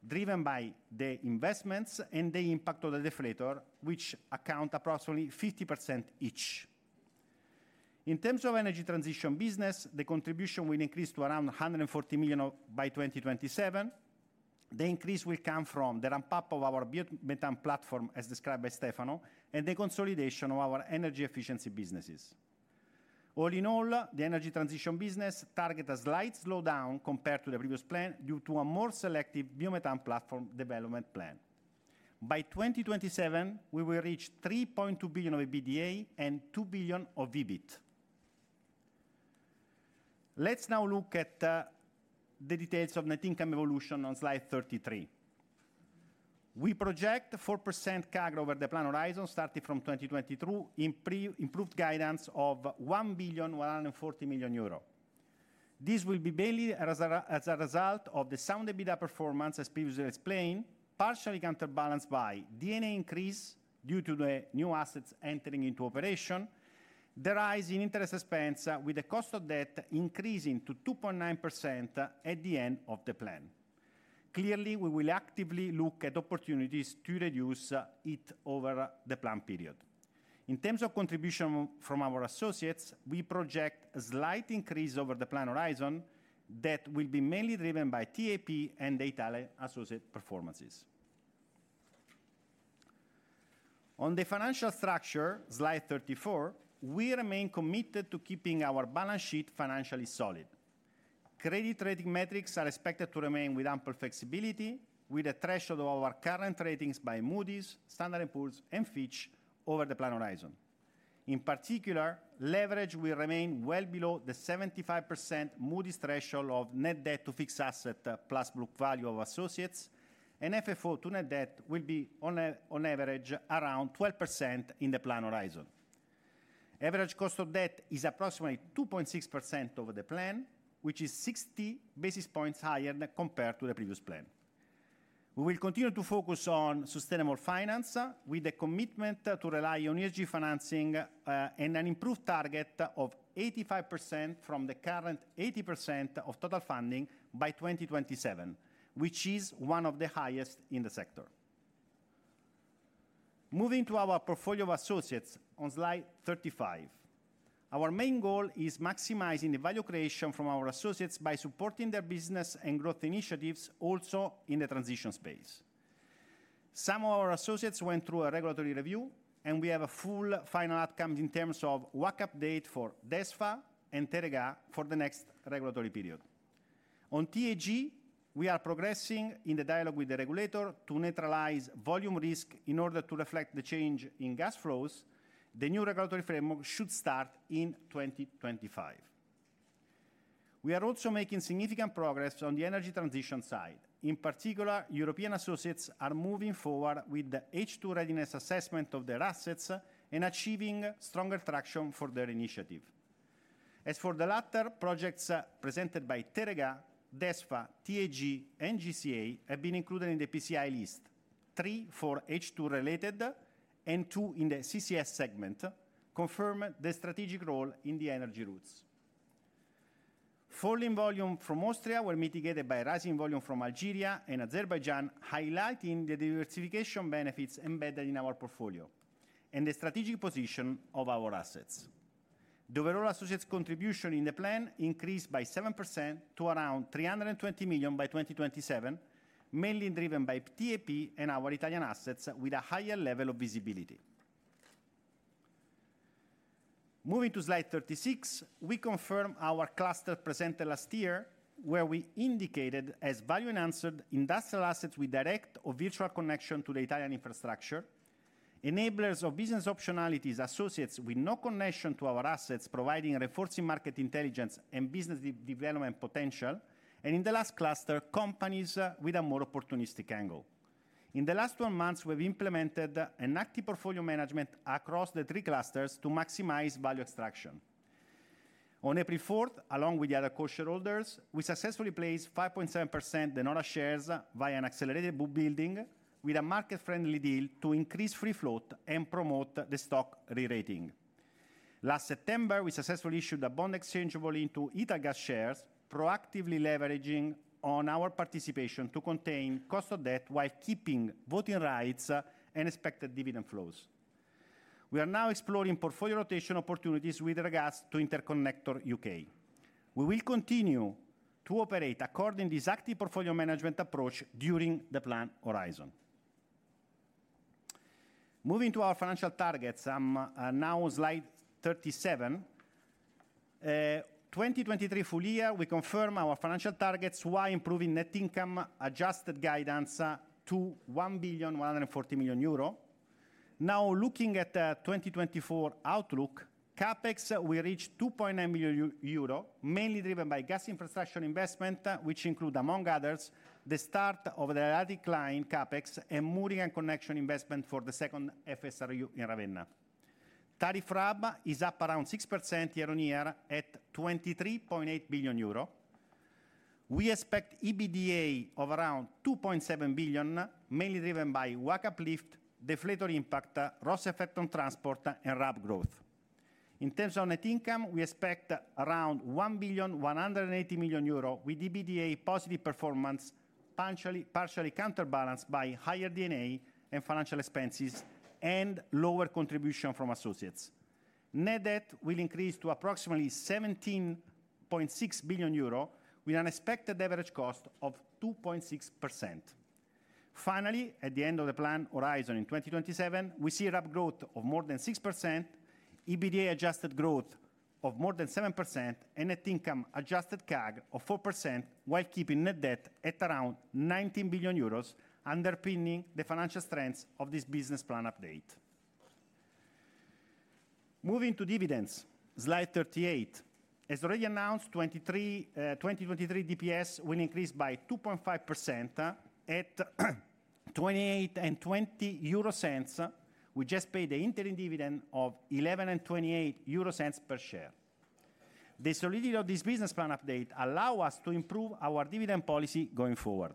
driven by the investments and the impact of the deflator, which account approximately 50% each. In terms of energy transition business, the contribution will increase to around 140 million of... by 2027. The increase will come from the ramp-up of our biomethane platform, as described by Stefano, and the consolidation of our energy efficiency businesses. All in all, the energy transition business target a slight slowdown compared to the previous plan, due to a more selective biomethane platform development plan. By 2027, we will reach 3.2 billion of EBITDA and 2 billion of EBIT. Let's now look at the details of net income evolution on Slide 33. We project 4% CAGR over the plan horizon, starting from 2022, improved guidance of 1.14 billion. This will be mainly as a result of the sound EBITDA performance, as previously explained, partially counterbalanced by D&A increase due to the new assets entering into operation, the rise in interest expense, with the cost of debt increasing to 2.9% at the end of the plan. Clearly, we will actively look at opportunities to reduce it over the plan period. In terms of contribution from our associates, we project a slight increase over the plan horizon that will be mainly driven by TAP and the Italian associate performances. On the Financial Structure, Slide 34, we remain committed to keeping our balance sheet financially solid. Credit rating metrics are expected to remain with ample flexibility, with a threshold of our current ratings by Moody's, Standard & Poor's, and Fitch over the plan horizon. In particular, leverage will remain well below the 75% Moody's threshold of net debt to fixed asset plus book value of associates, and FFO to net debt will be on average around 12% in the plan horizon. Average cost of debt is approximately 2.6% over the plan, which is 60 basis points higher than compared to the previous plan. We will continue to focus on sustainable finance, with a commitment to rely on energy financing, and an improved target of 85% from the current 80% of total funding by 2027, which is one of the highest in the sector. Moving to our portfolio of associates on Slide 35. Our main goal is maximizing the value creation from our associates by supporting their business and growth initiatives, also in the transition space. Some of our associates went through a regulatory review, and we have a full final outcome in terms of WACC update for DESFA and Teréga for the next regulatory period. On TAG, we are progressing in the dialogue with the regulator to neutralize volume risk in order to reflect the change in gas flows. The new regulatory framework should start in 2025. We are also making significant progress on the energy transition side. In particular, European associates are moving forward with the H2 readiness assessment of their assets and achieving stronger traction for their initiative. As for the latter, projects presented by Teréga, DESFA, TAG, and GCA have been included in the PCI list, three for H2-related and two in the CCS segment, confirm the strategic role in the energy routes. Falling volume from Austria were mitigated by a rising volume from Algeria and Azerbaijan, highlighting the diversification benefits embedded in our portfolio and the strategic position of our assets. The overall associates contribution in the plan increased by 7% to around 320 million by 2027, mainly driven by TAP and our Italian assets with a higher level of visibility. Moving to Slide 36, we confirm our cluster presented last year, where we indicated as value enhanced industrial assets with direct or virtual connection to the Italian infrastructure, enablers of business optionalities, associates with no connection to our assets, providing and reinforcing market intelligence and business development potential, and in the last cluster, companies with a more opportunistic angle. In the last 12 months, we've implemented an active portfolio management across the three clusters to maximize value extraction. On April 4th, along with the other co-shareholders, we successfully placed 5.7% De Nora shares via an accelerated book building with a market-friendly deal to increase free float and promote the stock re-rating. Last September, we successfully issued a bond exchangeable into Italgas shares, proactively leveraging on our participation to contain cost of debt while keeping voting rights and expected dividend flows. We are now exploring portfolio rotation opportunities with regards to Interconnector UK. We will continue to operate according this active portfolio management approach during the plan horizon. Moving to our financial targets, now Slide 37. 2023 full year, we confirm our financial targets while improving net income adjusted guidance to 1.14 billion. Now, looking at the 2024 outlook, CapEx will reach 2.9 billion euro, mainly driven by gas infrastructure investment, which include, among others, the start of the Adriatic Line CapEx and mooring and connection investment for the second FSRU in Ravenna. Tariff RAB is up around 6% year-on-year at 23.8 billion euro. We expect EBITDA of around 2.7 billion, mainly driven by WACC uplift, deflator impact, ROSS effect on transport, and RAB growth. In terms of net income, we expect around 1.18 billion, with EBITDA positive performance, partially, partially counterbalanced by higher D&A and financial expenses and lower contribution from associates. Net debt will increase to approximately 17.6 billion euro, with an expected average cost of 2.6%. Finally, at the end of the plan horizon in 2027, we see RAB growth of more than 6%, EBITDA adjusted growth of more than 7%, and net income adjusted CAGR of 4%, while keeping net debt at around 19 billion euros, underpinning the financial strengths of this business plan update. Moving to dividends, Slide 38. As already announced, 2023 DPS will increase by 2.5%, at 0.2820. We just paid the interim dividend of 0.1128 per share. The solidity of this business plan update allow us to improve our dividend policy going forward.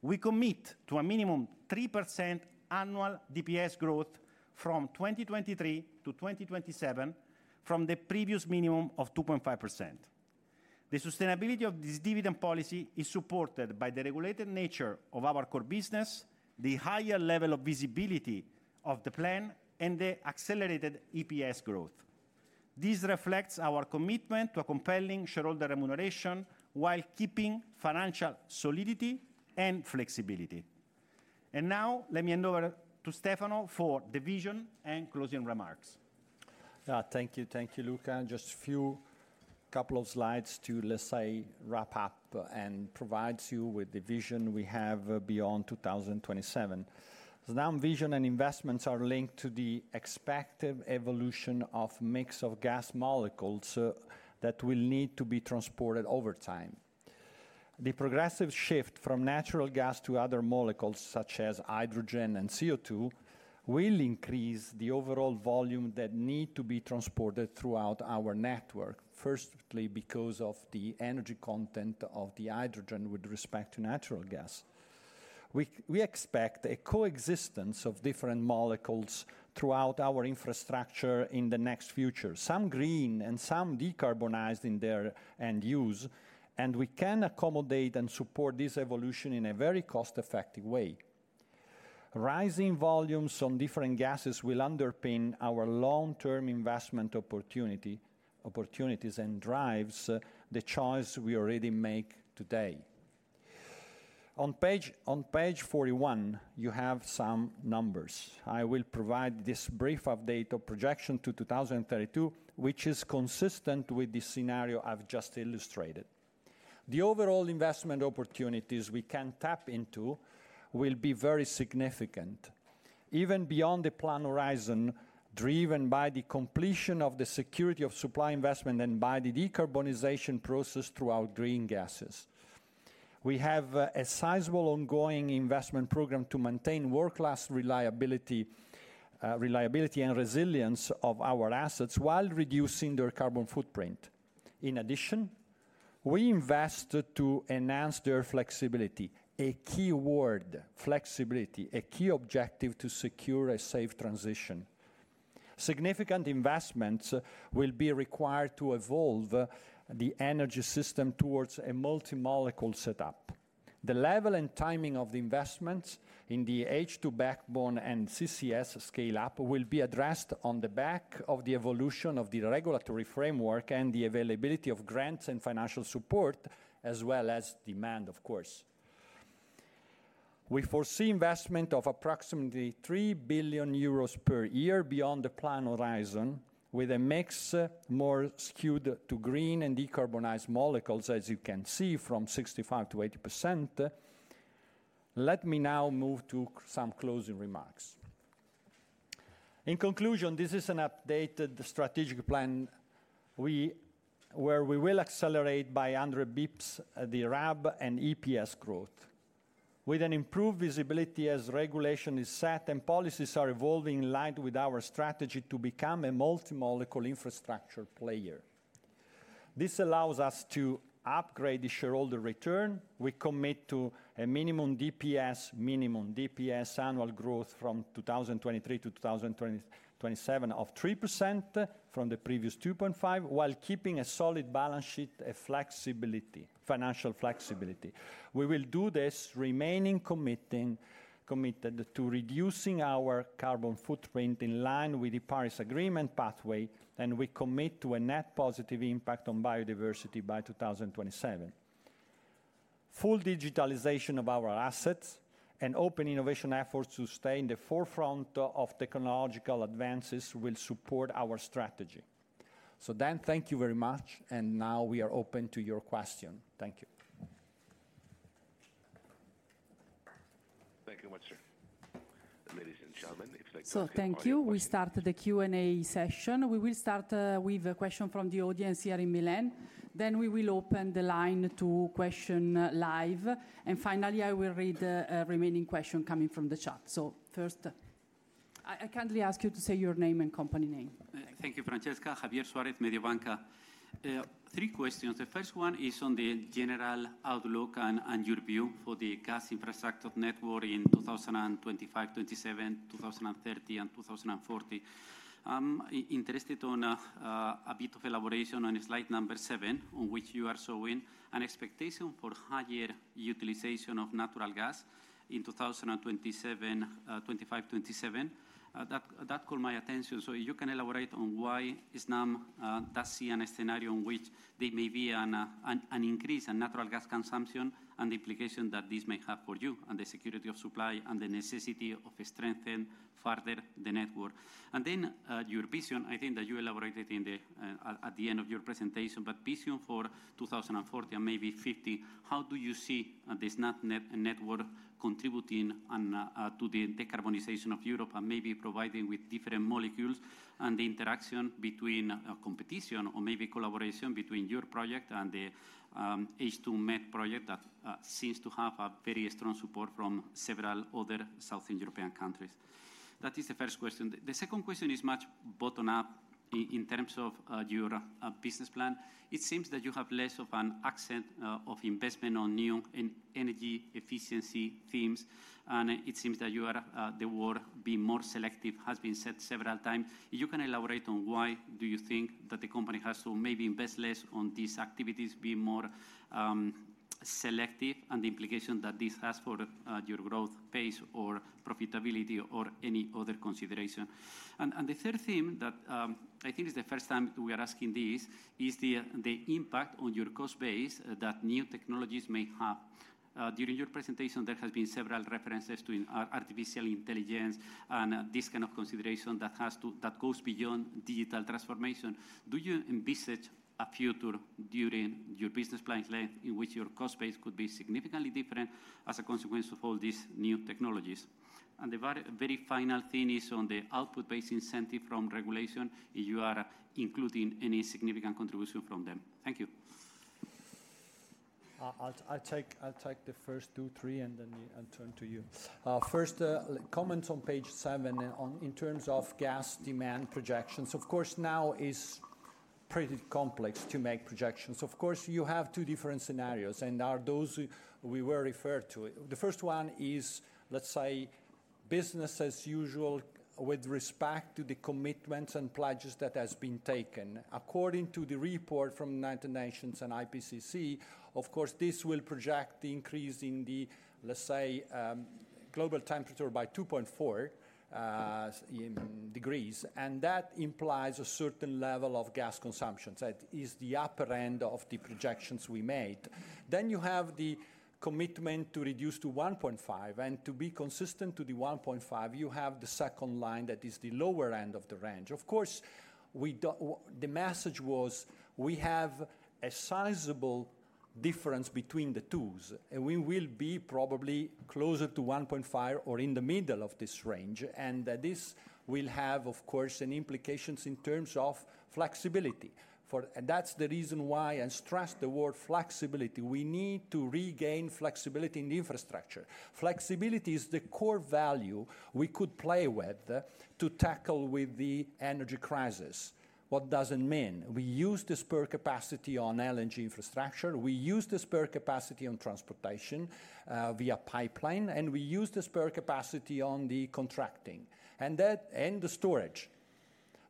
We commit to a minimum 3% annual DPS growth from 2023-2027, from the previous minimum of 2.5%. The sustainability of this dividend policy is supported by the regulated nature of our core business, the higher level of visibility of the plan, and the accelerated EPS growth. This reflects our commitment to a compelling shareholder remuneration while keeping financial solidity and flexibility. Now, let me hand over to Stefano for the vision and closing remarks. Thank you. Thank you, Luca. Just few, couple of slides to, let's say, wrap up and provides you with the vision we have beyond 2027. Snam vision and investments are linked to the expected evolution of mix of gas molecules, that will need to be transported over time. The progressive shift from natural gas to other molecules, such as hydrogen and CO2, will increase the overall volume that need to be transported throughout our network. Firstly, because of the energy content of the hydrogen with respect to natural gas. We expect a coexistence of different molecules throughout our infrastructure in the next future, some green and some decarbonized in their end use, and we can accommodate and support this evolution in a very cost-effective way. Rising volumes on different gases will underpin our long-term investment opportunity, opportunities, and drives the choice we already make today. On page, on Page 41, you have some numbers. I will provide this brief update of projection to 2032, which is consistent with the scenario I've just illustrated. The overall investment opportunities we can tap into will be very significant, even beyond the plan horizon, driven by the completion of the security of supply investment and by the decarbonization process throughout green gases. We have a sizable ongoing investment program to maintain world-class reliability, reliability, and resilience of our assets while reducing their carbon footprint. In addition, we invest to enhance their flexibility. A key word, flexibility, a key objective to secure a safe transition. Significant investments will be required to evolve the energy system towards a multi-molecule setup. The level and timing of the investments in the H2 backbone and CCS scale-up will be addressed on the back of the evolution of the regulatory framework and the availability of grants and financial support, as well as demand, of course. We foresee investment of approximately 3 billion euros per year beyond the plan horizon, with a mix more skewed to green and decarbonized molecules, as you can see, from 65%-80%. Let me now move to some closing remarks. In conclusion, this is an updated strategic plan where we will accelerate by 100 basis points the RAB and EPS growth. With an improved visibility as regulation is set and policies are evolving in line with our strategy to become a multi-molecule infrastructure player. This allows us to upgrade the shareholder return. We commit to a minimum DPS, minimum DPS annual growth from 2023-2027 of 3% from the previous 2.5, while keeping a solid balance sheet, a flexibility, financial flexibility. We will do this remaining committing, committed to reducing our carbon footprint in line with the Paris Agreement pathway, and we commit to a net positive impact on biodiversity by 2027. Full digitalization of our assets and open innovation efforts to stay in the forefront of technological advances will support our strategy. So then, thank you very much, and now we are open to your question. Thank you. Thank you much, sir. Ladies and gentlemen, if I can- So thank you. We start the Q&A session. We will start with a question from the audience here in Milan, then we will open the line to question live. And finally, I will read remaining question coming from the chat. So first? I kindly ask you to say your name and company name. Thank you, Francesca. Javier Suarez, Mediobanca. Three questions. The first one is on the general outlook and your view for the gas infrastructure network in 2025, 2027, 2030 and 2040. I'm interested on a bit of elaboration on slide Number 7, on which you are showing an expectation for higher utilization of natural gas in 2027, 2025, 2027. That caught my attention. So if you can elaborate on why Snam does see a scenario in which there may be an increase in natural gas consumption, and the implication that this may have for you, and the security of supply, and the necessity of strengthen further the network. Then your vision, I think that you elaborated in the at the end of your presentation, but vision for 2040 and maybe 2050, how do you see the Snam network contributing to the decarbonization of Europe and maybe providing with different molecules, and the interaction between competition or maybe collaboration between your project and the H2Med project that seems to have a very strong support from several other Southern European countries? That is the first question. The second question is much bottom-up in terms of your business plan. It seems that you have less of an accent of investment on new energy efficiency themes, and it seems that you are the word "being more selective" has been said several times. You can elaborate on why do you think that the company has to maybe invest less on these activities, be more, selective, and the implication that this has for, your growth pace or profitability or any other consideration? And the third theme that, I think is the first time we are asking this, is the impact on your cost base that new technologies may have. During your presentation, there has been several references to, artificial intelligence and this kind of consideration that goes beyond digital transformation. Do you envisage a future during your business plan's length, in which your cost base could be significantly different as a consequence of all these new technologies? And the very, very final thing is on the output-based incentive from regulation, if you are including any significant contribution from them. Thank you. I'll take the first two, three, and then I'll turn to you. First, comments on Page 7 on, in terms of gas demand projections. Of course, now is pretty complex to make projections. Of course, you have two different scenarios, and are those we were referred to. The first one is, let's say, business as usual with respect to the commitments and pledges that has been taken. According to the report from United Nations and IPCC, of course, this will project the increase in the, let's say, global temperature by 2.4 degrees, and that implies a certain level of gas consumption. That is the upper end of the projections we made. Then, you have the commitment to reduce to 1.5, and to be consistent to the 1.5, you have the second line, that is the lower end of the range. Of course, the message was, we have a sizable difference between the twos, and we will be probably closer to 1.5 or in the middle of this range, and this will have, of course, an implications in terms of flexibility. And that's the reason why I stress the word flexibility. We need to regain flexibility in the infrastructure. Flexibility is the core value we could play with, to tackle with the energy crisis. What does it mean? We use the spare capacity on LNG infrastructure, we use the spare capacity on transportation via pipeline, and we use the spare capacity on the contracting, and that, and the storage.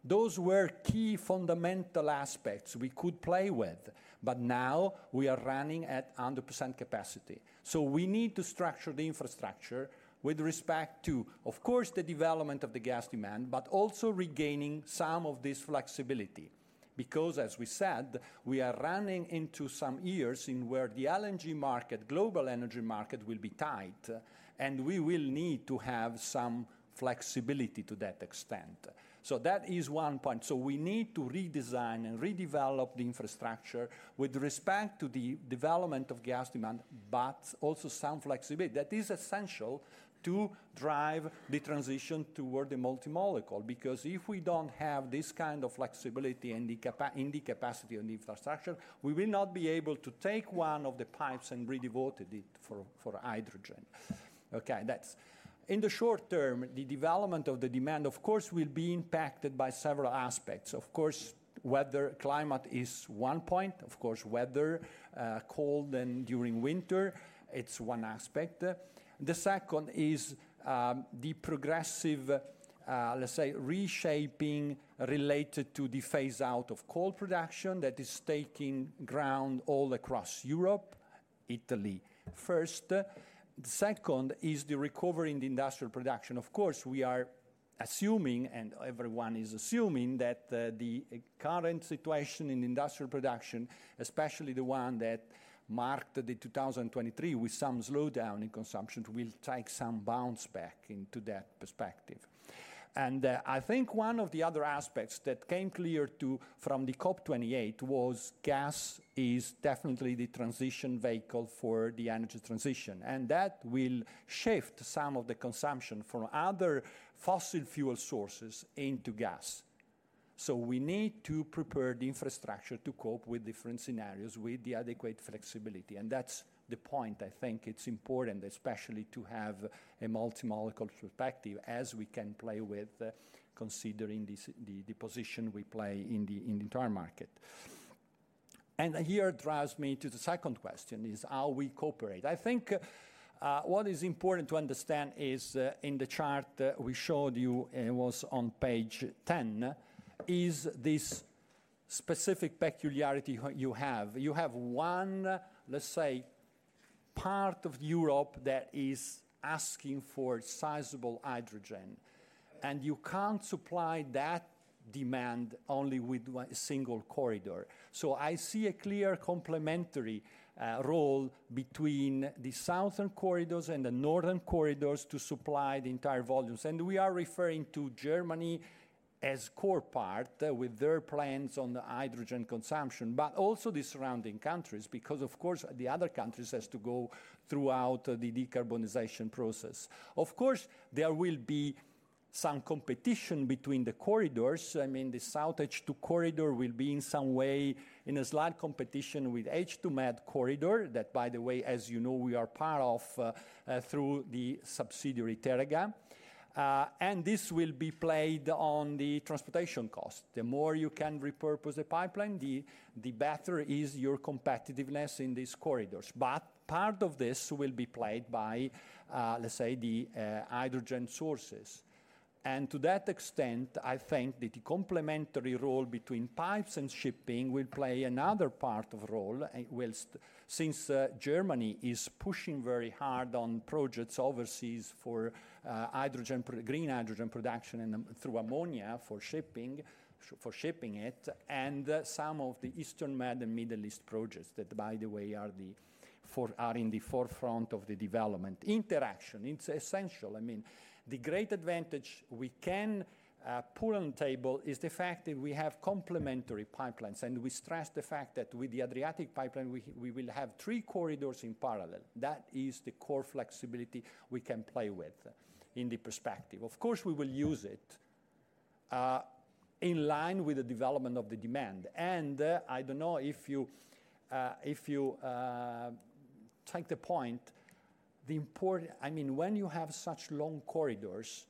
Those were key fundamental aspects we could play with, but now we are running at 100% capacity. So we need to structure the infrastructure with respect to, of course, the development of the gas demand, but also regaining some of this flexibility. Because, as we said, we are running into some years in where the LNG market, global energy market, will be tight, and we will need to have some flexibility to that extent. So that is one point. So we need to redesign and redevelop the infrastructure with respect to the development of gas demand, but also some flexibility. That is essential to drive the transition toward the multi-molecule, because if we don't have this kind of flexibility in the capacity and infrastructure, we will not be able to take one of the pipes and rededicate it for hydrogen. Okay, that's... In the short-term, the development of the demand, of course, will be impacted by several aspects. Of course, weather, climate is one point. Of course, weather, cold and during winter, it's one aspect. The second is, the progressive, let's say, reshaping related to the phase-out of coal production that is taking ground all across Europe, Italy first. The second is the recovery in the industrial production. Of course, we are assuming, and everyone is assuming, that, the current situation in industrial production, especially the one that marked 2023 with some slowdown in consumption, will take some bounce back into that perspective. I think one of the other aspects that came clear from the COP 28 was, gas is definitely the transition vehicle for the energy transition, and that will shift some of the consumption from other fossil fuel sources into gas. So we need to prepare the infrastructure to cope with different scenarios, with the adequate flexibility, and that's the point. I think it's important, especially to have a multi-molecular perspective, as we can play with considering this, the position we play in the entire market. And here it drives me to the second question, is how we cooperate. I think what is important to understand is, in the chart we showed you, it was on Page 10, is this specific peculiarity you have. You have one, let's say, part of Europe that is asking for sizable hydrogen, and you can't supply that demand only with one—a single corridor. So I see a clear complementary role between the southern corridors and the northern corridors to supply the entire volumes. And we are referring to Germany as core part, with their plans on the hydrogen consumption, but also the surrounding countries, because, of course, the other countries has to go throughout the decarbonization process. Of course, there will be some competition between the corridors. I mean, the SoutH2 Corridor will be, in some way, in a slight competition with H2Med Corridor. That, by the way, as you know, we are part of, through the subsidiary, Teréga. And this will be played on the transportation cost. The more you can repurpose a pipeline, the better is your competitiveness in these corridors. But part of this will be played by, let's say, the hydrogen sources. And to that extent, I think that the complementary role between pipes and shipping will play another part of role, well, since Germany is pushing very hard on projects overseas for hydrogen green hydrogen production and through ammonia, for shipping it, and some of the Eastern Med and Middle East projects, that, by the way, are in the forefront of the development. Interaction, it's essential. I mean, the great advantage we can put on the table is the fact that we have complementary pipelines, and we stress the fact that with the Adriatic pipeline, we will have three corridors in parallel. That is the core flexibility we can play with in the perspective. Of course, we will use it in line with the development of the demand. And I don't know if you take the point, the importance—I mean, when you have such long corridors,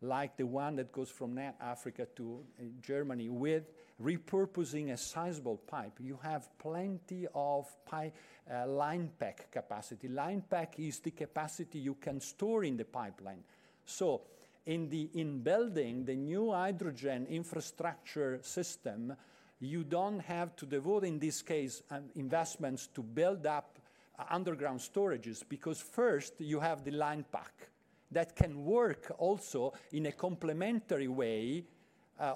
like the one that goes from Africa to Germany, with repurposing a sizable pipe, you have plenty of pipe line pack capacity. Line pack is the capacity you can store in the pipeline. So in building the new hydrogen infrastructure system, you don't have to devote, in this case, investments to build up underground storages, because first, you have the line pack. That can work also in a complementary way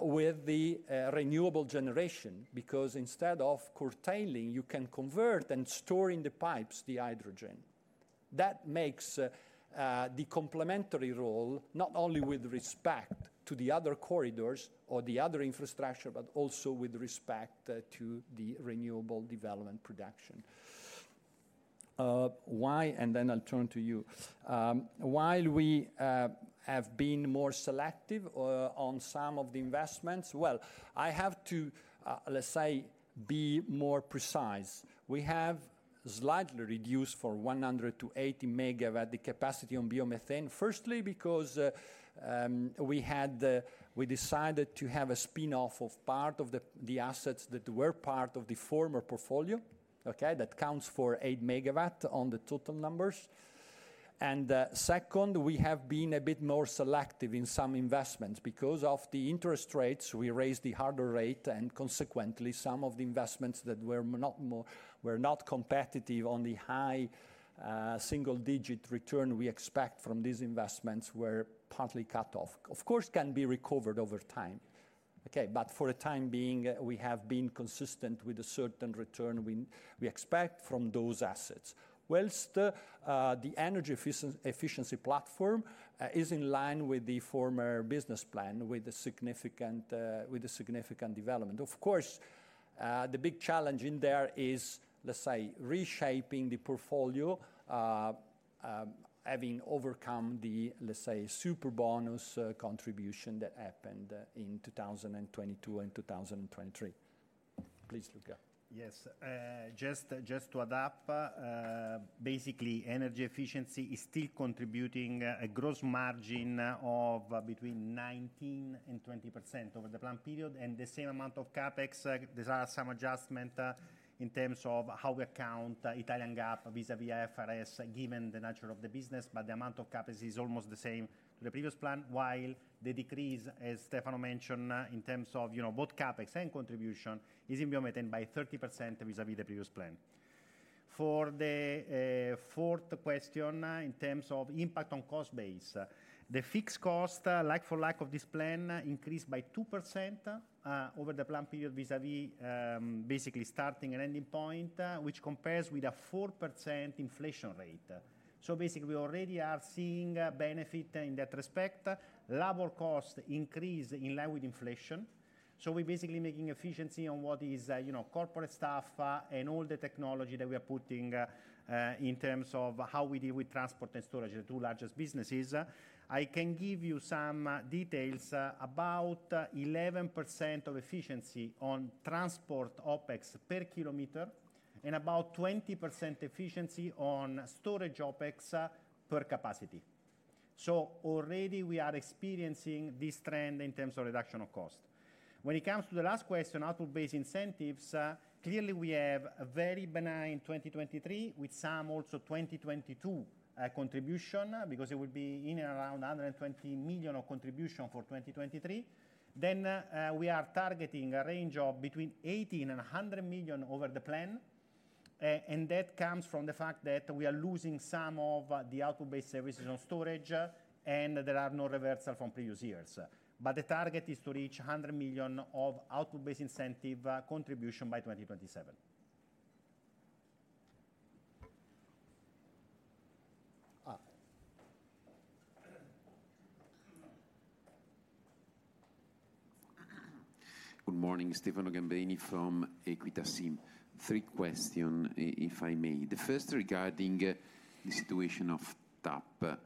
with the renewable generation, because instead of curtailing, you can convert and store in the pipes, the hydrogen. That makes the complementary role, not only with respect to the other corridors or the other infrastructure, but also with respect to the renewable development production. And then I'll turn to you. While we have been more selective on some of the investments, well, I have to, let's say, be more precise. We have slightly reduced from 100 MW-80 MW, the capacity on biomethane. Firstly, because we decided to have a spin-off of part of the assets that were part of the former portfolio, okay? That counts for 8 MW on the total numbers. Second, we have been a bit more selective in some investments. Because of the interest rates, we raised the hurdle rate, and consequently, some of the investments that were not more were not competitive on the high single-digit return we expect from these investments, were partly cut off. Of course, can be recovered over time. Okay, but for the time being, we have been consistent with a certain return we expect from those assets. Whilst the energy efficiency platform is in line with the former business plan, with a significant, with a significant development. Of course, the big challenge in there is, let's say, reshaping the portfolio, having overcome the, let's say, Superbonus contribution that happened in 2022 and 2023. Please, Luca. Yes, just, just to add up, basically, energy efficiency is still contributing a gross margin of between 19%-20% over the planned period, and the same amount of CapEx. There are some adjustment, in terms of how we count Italian GAAP vis-à-vis IFRS, given the nature of the business, but the amount of CapEx is almost the same to the previous plan. While the decrease, as Stefano mentioned, in terms of, you know, both CapEx and contribution, is in biomethane by 30% vis-à-vis the previous plan. For the, fourth question, in terms of impact on cost base, the fixed cost, like for like of this plan, increased by 2%, over the plan period vis-à-vis, basically starting and ending point, which compares with a 4% inflation rate. So basically, we already are seeing a benefit in that respect. Labor cost increase in line with inflation, so we're basically making efficiency on what is, you know, corporate staff, and all the technology that we are putting, in terms of how we deal with transport and storage, the two largest businesses. I can give you some details about 11% of efficiency on transport OpEx per kilometer, and about 20% efficiency on storage OpEx per capacity. So already we are experiencing this trend in terms of reduction of cost. When it comes to the last question, output-based incentives, clearly we have a very benign 2023, with some also 2022 contribution, because it will be in and around 120 million of contribution for 2023. Then, we are targeting a range of between 80 million and 100 million over the plan. And that comes from the fact that we are losing some of, the output-based services on storage, and there are no reversal from previous years. But the target is to reach 100 million of output-based incentive contribution by 2027. Good morning. Stefano Gambini from Equita SIM. Three questions, if I may. The first regarding the situation of TAP.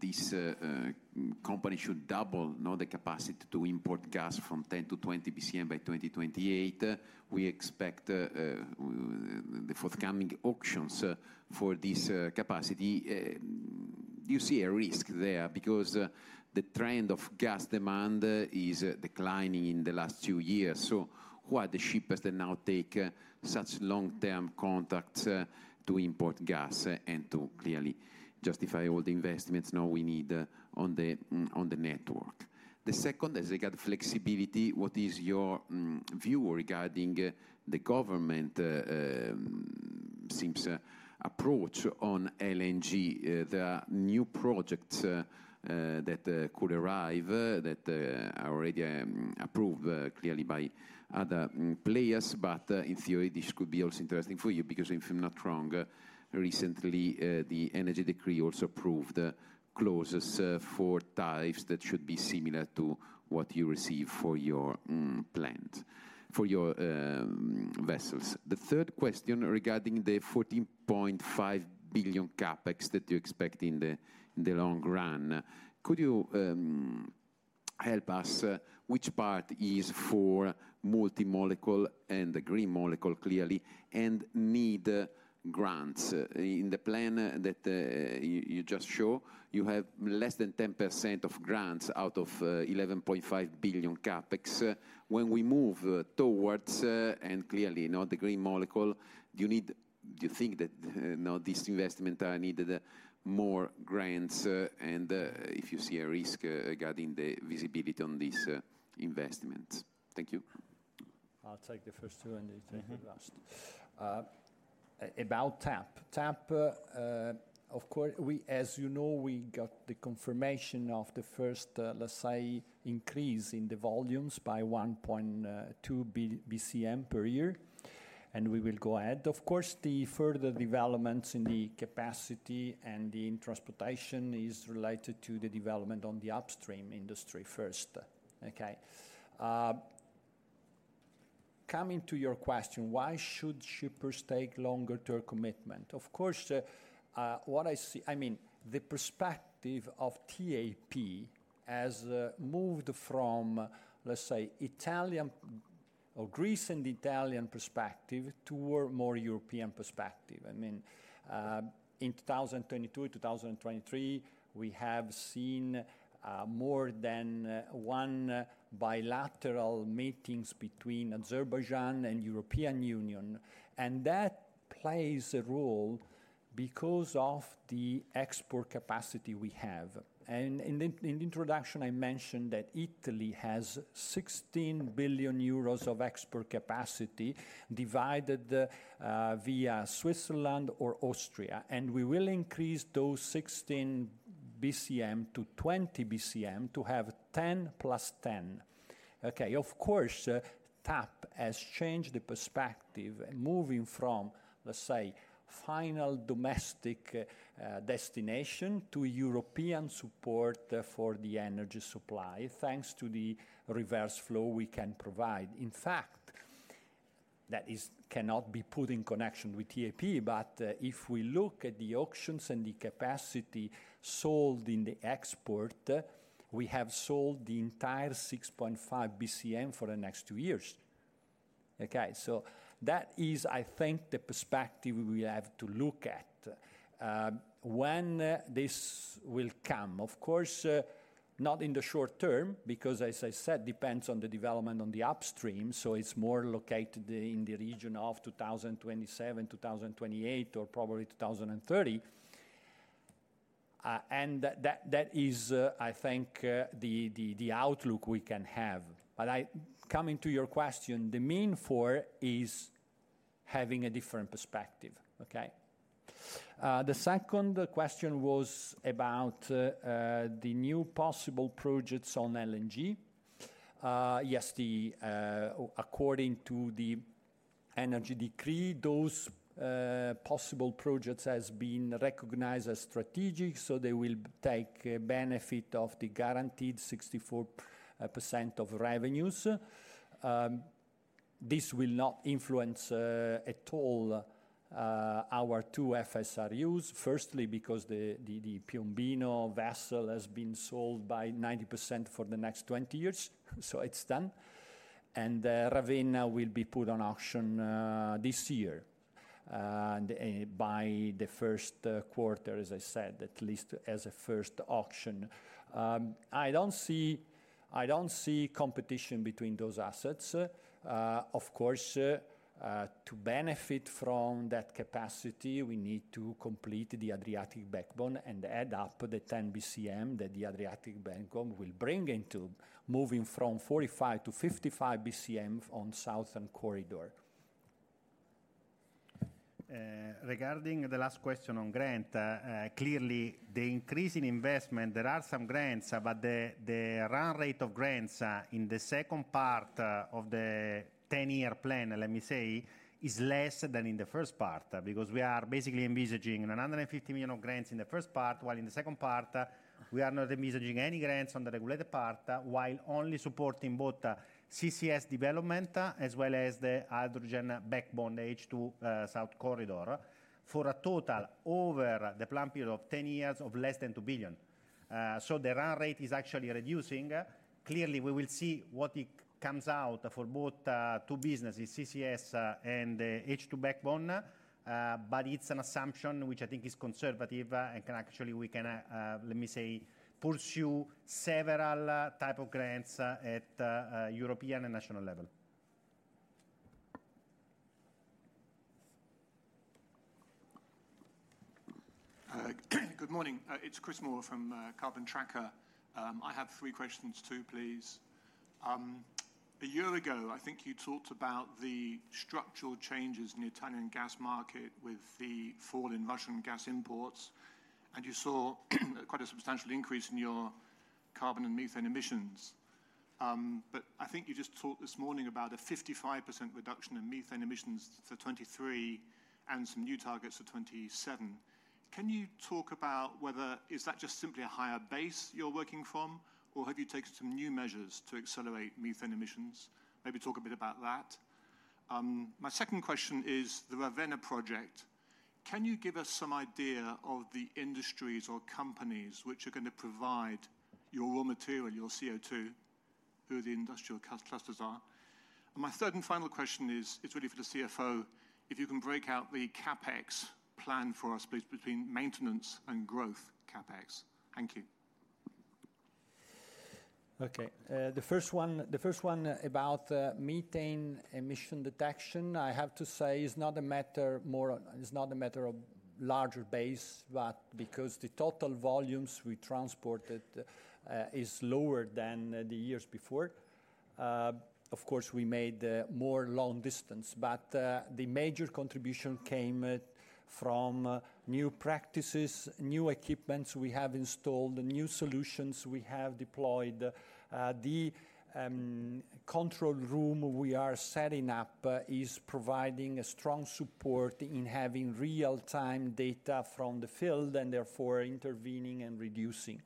This company should double the capacity to import gas from 10 BCM-20 BCM by 2028. We expect the forthcoming auctions for this capacity. Do you see a risk there? Because the trend of gas demand is declining in the last two years, so why the shippers then now take such long-term contracts to import gas and to clearly justify all the investments now we need on the network? The second is regarding flexibility. What is your view regarding the government, Snam's approach on LNG? There are new projects that could arrive that are already approved clearly by other players. But in theory, this could be also interesting for you, because if I'm not wrong, recently the energy decree also approved clauses for types that should be similar to what you receive for your plant, for your vessels. The third question regarding the 14.5 billion CapEx that you expect in the long run. Could you help us which part is for multi molecule and the green molecule, clearly, and need grants? In the plan that you just show, you have less than 10% of grants out of 11.5 billion CapEx. When we move towards, and clearly, you know, the green molecule, do you need... Do you think that now these investments are needed more grants, and if you see a risk regarding the visibility on this investment? Thank you. I'll take the first two, and you take the last. Mm-hmm. About TAP. TAP, of course, we—as you know, we got the confirmation of the first, let's say, increase in the volumes by 1.2 BCM per year, and we will go ahead. Of course, the further developments in the capacity and the transportation is related to the development on the upstream industry first. Okay. Coming to your question, why should shippers take longer-term commitment? Of course, what I see—I mean, the perspective of TAP has moved from, let's say, Italian or Greece and Italian perspective toward more European perspective. I mean, in 2022, 2023, we have seen more than one bilateral meetings between Azerbaijan and European Union, and that plays a role because of the export capacity we have. In the introduction, I mentioned that Italy has 16 billion euros of export capacity, divided via Switzerland or Austria, and we will increase those 16 BCM-20 BCM to have 10 + 10. Okay, of course, TAP has changed the perspective, moving from, let's say, final domestic destination to European support for the energy supply, thanks to the reverse flow we can provide. In fact, that is, cannot be put in connection with TAP, but if we look at the auctions and the capacity sold in the export, we have sold the entire 6.5 BCM for the next two years. Okay, so that is, I think, the perspective we have to look at. When this will come? Of course, not in the short-term, because as I said, depends on the development on the upstream, so it's more located in the region of 2027, 2028 or probably 2030. And that, that is, I think, the outlook we can have. But I—coming to your question, the main four is having a different perspective. Okay? The second question was about the new possible projects on LNG. Yes, according to the energy decree, those possible projects has been recognized as strategic, so they will take benefit of the guaranteed 64% of revenues. This will not influence at all our two FSRUs. Firstly, because the Piombino vessel has been sold by 90% for the next 20 years, so it's done. Ravenna will be put on auction this year, and by the first quarter, as I said, at least as a first auction. I don't see competition between those assets. Of course, to benefit from that capacity, we need to complete the Adriatic Backbone and add up the 10 BCM that the Adriatic Backbone will bring into moving from 45BCM-55 BCM on the Southern Corridor. Regarding the last question on grant, clearly, the increase in investment, there are some grants, but the run rate of grants in the second part of the 10-year plan, let me say, is less than in the first part. Because we are basically envisaging 150 million of grants in the first part, while in the second part, we are not envisaging any grants on the regulated part, while only supporting both CCS development as well as the hydrogen backbone, the H2 south corridor, for a total over the plan period of 10 years of less than 2 billion. So the run rate is actually reducing. Clearly, we will see what it comes out for both two businesses, CCS, and the H2 backbone, but it's an assumption which I think is conservative, and can actually we can let me say, pursue several type of grants at European and national level. Good morning, it's Chris Moore from Carbon Tracker. I have three questions, too, please. A year ago, I think you talked about the structural changes in the Italian gas market with the fall in Russian gas imports, and you saw quite a substantial increase in your carbon and methane emissions. But I think you just talked this morning about a 55% reduction in methane emissions for 2023 and some new targets for 2027. Can you talk about whether that is just simply a higher base you're working from, or have you taken some new measures to accelerate methane emissions? Maybe talk a bit about that. My second question is the Ravenna project. Can you give us some idea of the industries or companies which are going to provide your raw material, your CO2, who the industrial clusters are? My third and final question is, it's really for the CFO, if you can break out the CapEx plan for us, please, between maintenance and growth CapEx. Thank you. Okay. The first one about methane emission detection, I have to say, is not a matter of larger base, but because the total volumes we transported is lower than the years before. Of course, we made more long distance, but the major contribution came from new practices, new equipments we have installed, new solutions we have deployed. The control room we are setting up is providing a strong support in having real-time data from the field, and therefore intervening and reducing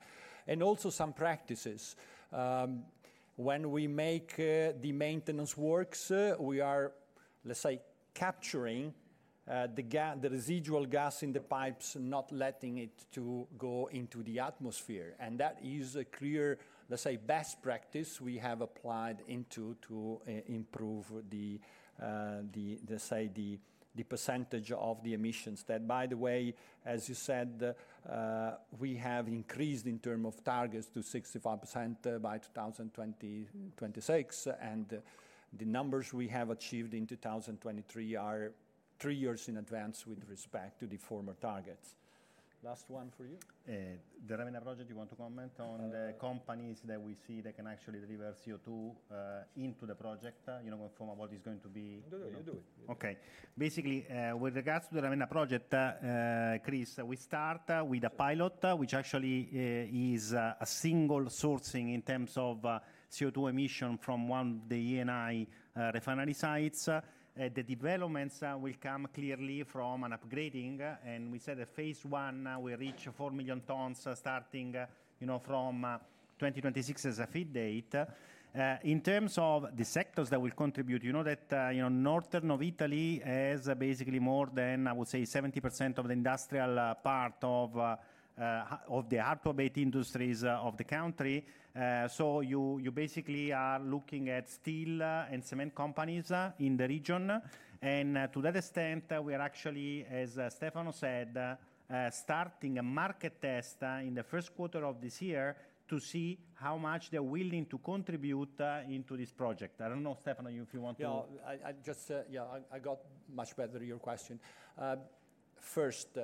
and also some practices. When we make the maintenance works, we are, let's say, capturing the residual gas in the pipes and not letting it to go into the atmosphere. That is a clear, let's say, best practice we have applied to improve the percentage of the emissions. That, by the way, as you said, we have increased in terms of targets to 65% by 2026, and the numbers we have achieved in 2023 are three years in advane with respect to the former targets. Last one for you. The Ravenna project, you want to comment on the companies that we see that can actually deliver CO2, you know, from what is going to be- You do it. You do it. Okay. Bas ically, with regards to the Ravenna project, Chris, we start with a pilot, which actually is a single sourcing in terms of CO2 emission from one of the Eni refinery sites. The developments will come clearly from an upgrading, and we said at phase one, we reach 4 million tons, starting, you know, from 2026 as a feed date. In terms of the sectors that will contribute, you know, that north of Italy has basically more than, I would say, 70% of the industrial part of the hard-to-abate industries of the country. So you basically are looking at steel and cement companies in the region. To that extent, we are actually, as Stefano said, starting a market test in the first quarter of this year to see how much they're willing to contribute into this project. I don't know, Stefano, if you want to- Yeah, I just got much better your question. First,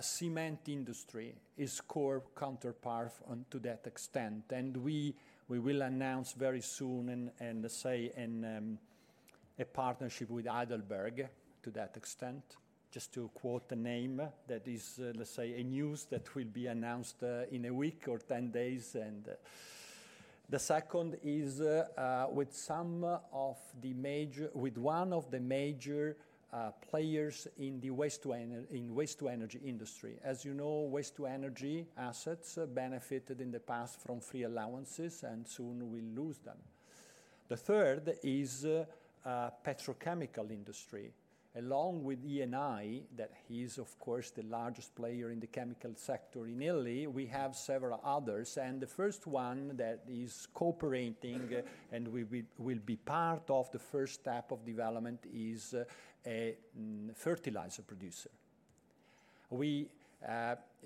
cement industry is core counterpart onto that extent, and we will announce very soon and say in a partnership with Heidelberg to that extent, just to quote a name that is, let's say, a news that will be announced in a week or 10 days. The second is with one of the major players in the waste-to-energy industry. As you know, waste-to-energy assets benefited in the past from free allowances and soon will lose them. The third is, petrochemical industry, along with Eni, that he is of course, the largest player in the chemical sector in Italy. We have several others, and the first one that is cooperating, and will be, will be part of the first step of development is, a fertilizer producer. We,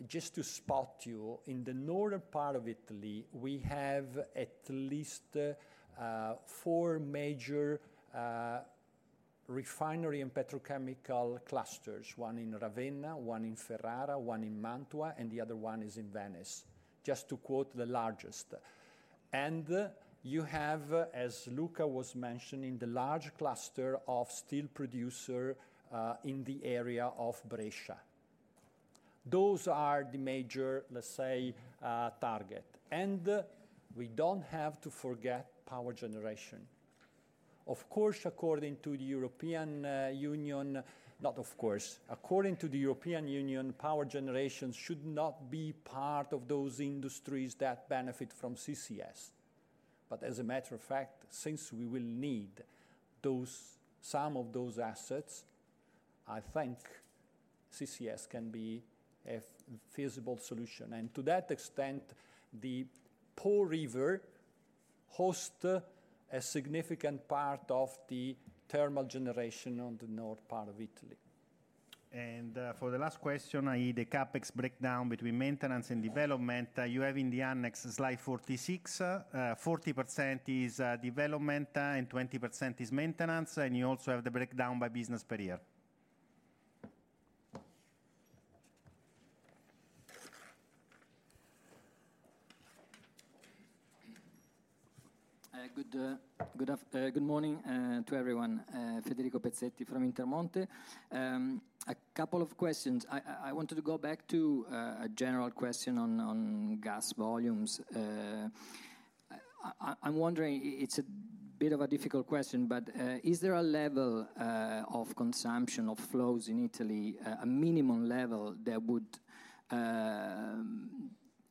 just to spot you, in the northern part of Italy, we have at least, four major, refinery and petrochemical clusters, one in Ravenna, one in Ferrara, one in Mantua, and the other one is in Venice, just to quote the largest. And you have, as Luca was mentioning, the large cluster of steel producer, in the area of Brescia. Those are the major, let's say, target. And we don't have to forget power generation. Of course, according to the European Union, power generation should not be part of those industries that benefit from CCS. But as a matter of fact, since we will need those, some of those assets, I think CCS can be a feasible solution, and to that extent, the Po River host a significant part of the thermal generation on the north part of Italy. For the last question, i.e., the CapEx breakdown between maintenance and development, you have in the annex, Slide 46. 40% is development, and 20% is maintenance, and you also have the breakdown by business per year. Good morning to everyone, Federico Pezzetti from Intermonte. A couple of questions. I wanted to go back to a general question on gas volumes. I'm wondering, it's a bit of a difficult question, but is there a level of consumption of flows in Italy, a minimum level that would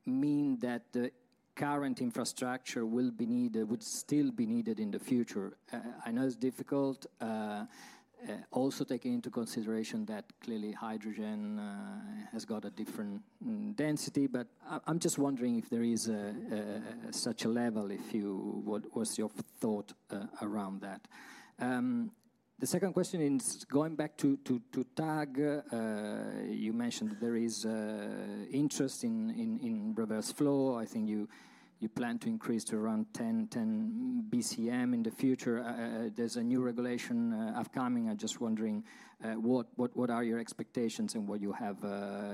mean that the current infrastructure will be needed—would still be needed in the future? I know it's difficult, also taking into consideration that clearly hydrogen has got a different density. But I'm just wondering if there is such a level, if you... What's your thought around that? The second question is going back to TAG. You mentioned there is interest in reverse flow. I think you plan to increase to around 10 BCM in the future. There's a new regulation upcoming. I'm just wondering what are your expectations and what you have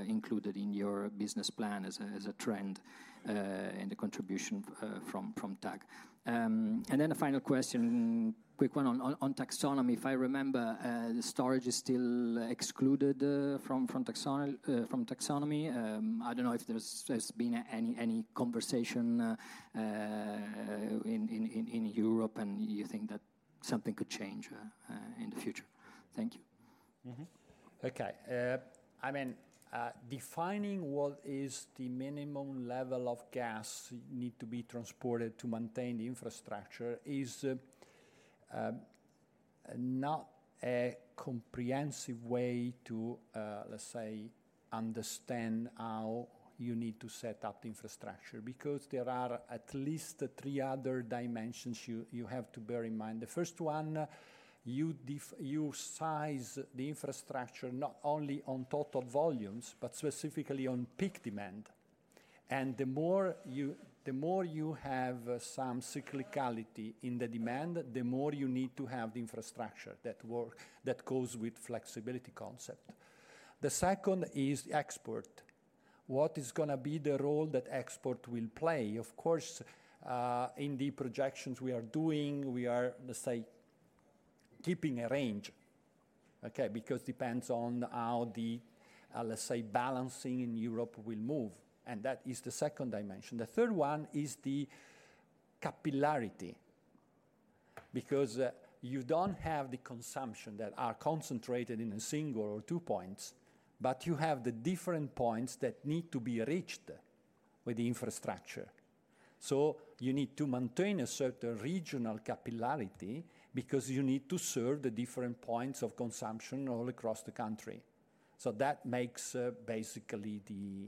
included in your business plan as a trend in the contribution from TAG? And then a final question, quick one on taxonomy. If I remember, the storage is still excluded from taxonomy. I don't know if there's been any conversation in Europe, and you think that something could change in the future. Thank you. Mm-hmm. Okay, I mean, defining what is the minimum level of gas need to be transported to maintain the infrastructure is not a comprehensive way to, let's say, understand how you need to set up the infrastructure, because there are at least three other dimensions you, you have to bear in mind. The first one, you size the infrastructure not only on total volumes, but specifically on peak demand. And the more you, the more you have some cyclicality in the demand, the more you need to have the infrastructure that work, that goes with flexibility concept. The second is export. What is gonna be the role that export will play? Of course, in the projections we are doing, we are, let's say, keeping a range, okay? Because depends on how the, let's say, balancing in Europe will move, and that is the second dimension. The third one is the capillarity, because you don't have the consumption that are concentrated in a single or two points, but you have the different points that need to be reached with the infrastructure. So you need to maintain a certain regional capillarity because you need to serve the different points of consumption all across the country. So that makes, basically, the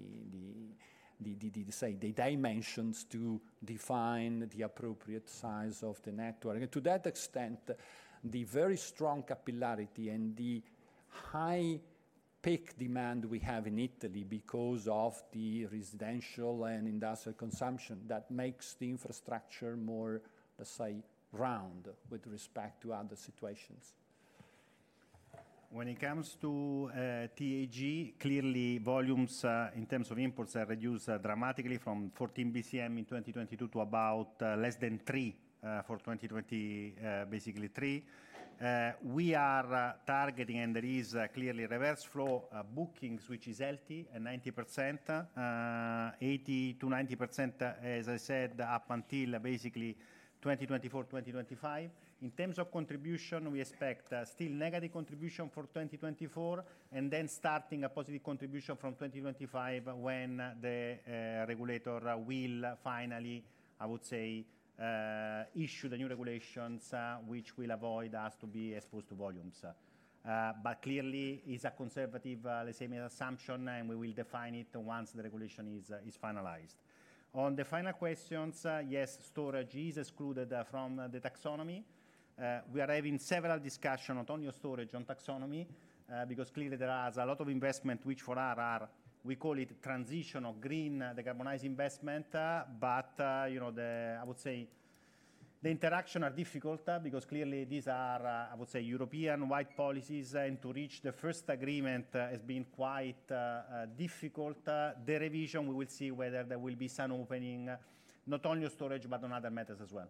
say, the dimensions to define the appropriate size of the network. And to that extent, the very strong capillarity and the high peak demand we have in Italy because of the residential and industrial consumption, that makes the infrastructure more, let's say, round with respect to other situations. When it comes to TAG, clearly, volumes in terms of imports are reduced dramatically from 14 BCM in 2022 to about less than 3 for 2020, basically 3. We are targeting, and there is clearly reverse flow bookings, which is healthy, at 90%, 80%-90%, as I said, up until basically 2024, 2025. In terms of contribution, we expect still negative contribution for 2024, and then starting a positive contribution from 2025 when the regulator will finally, I would say, issue the new regulations, which will avoid us to be exposed to volumes. But clearly, it's a conservative the same assumption, and we will define it once the regulation is finalized. On the final questions, yes, storage is excluded from the taxonomy. We are having several discussions not only on storage, on taxonomy, because clearly there has a lot of investment, which for us are, we call it transitional green, decarbonize investment. But, you know, I would say the interactions are difficult, because clearly these are, I would say, European-wide policies, and to reach the first agreement has been quite difficult. The revision, we will see whether there will be some opening, not only on storage but on other matters as well.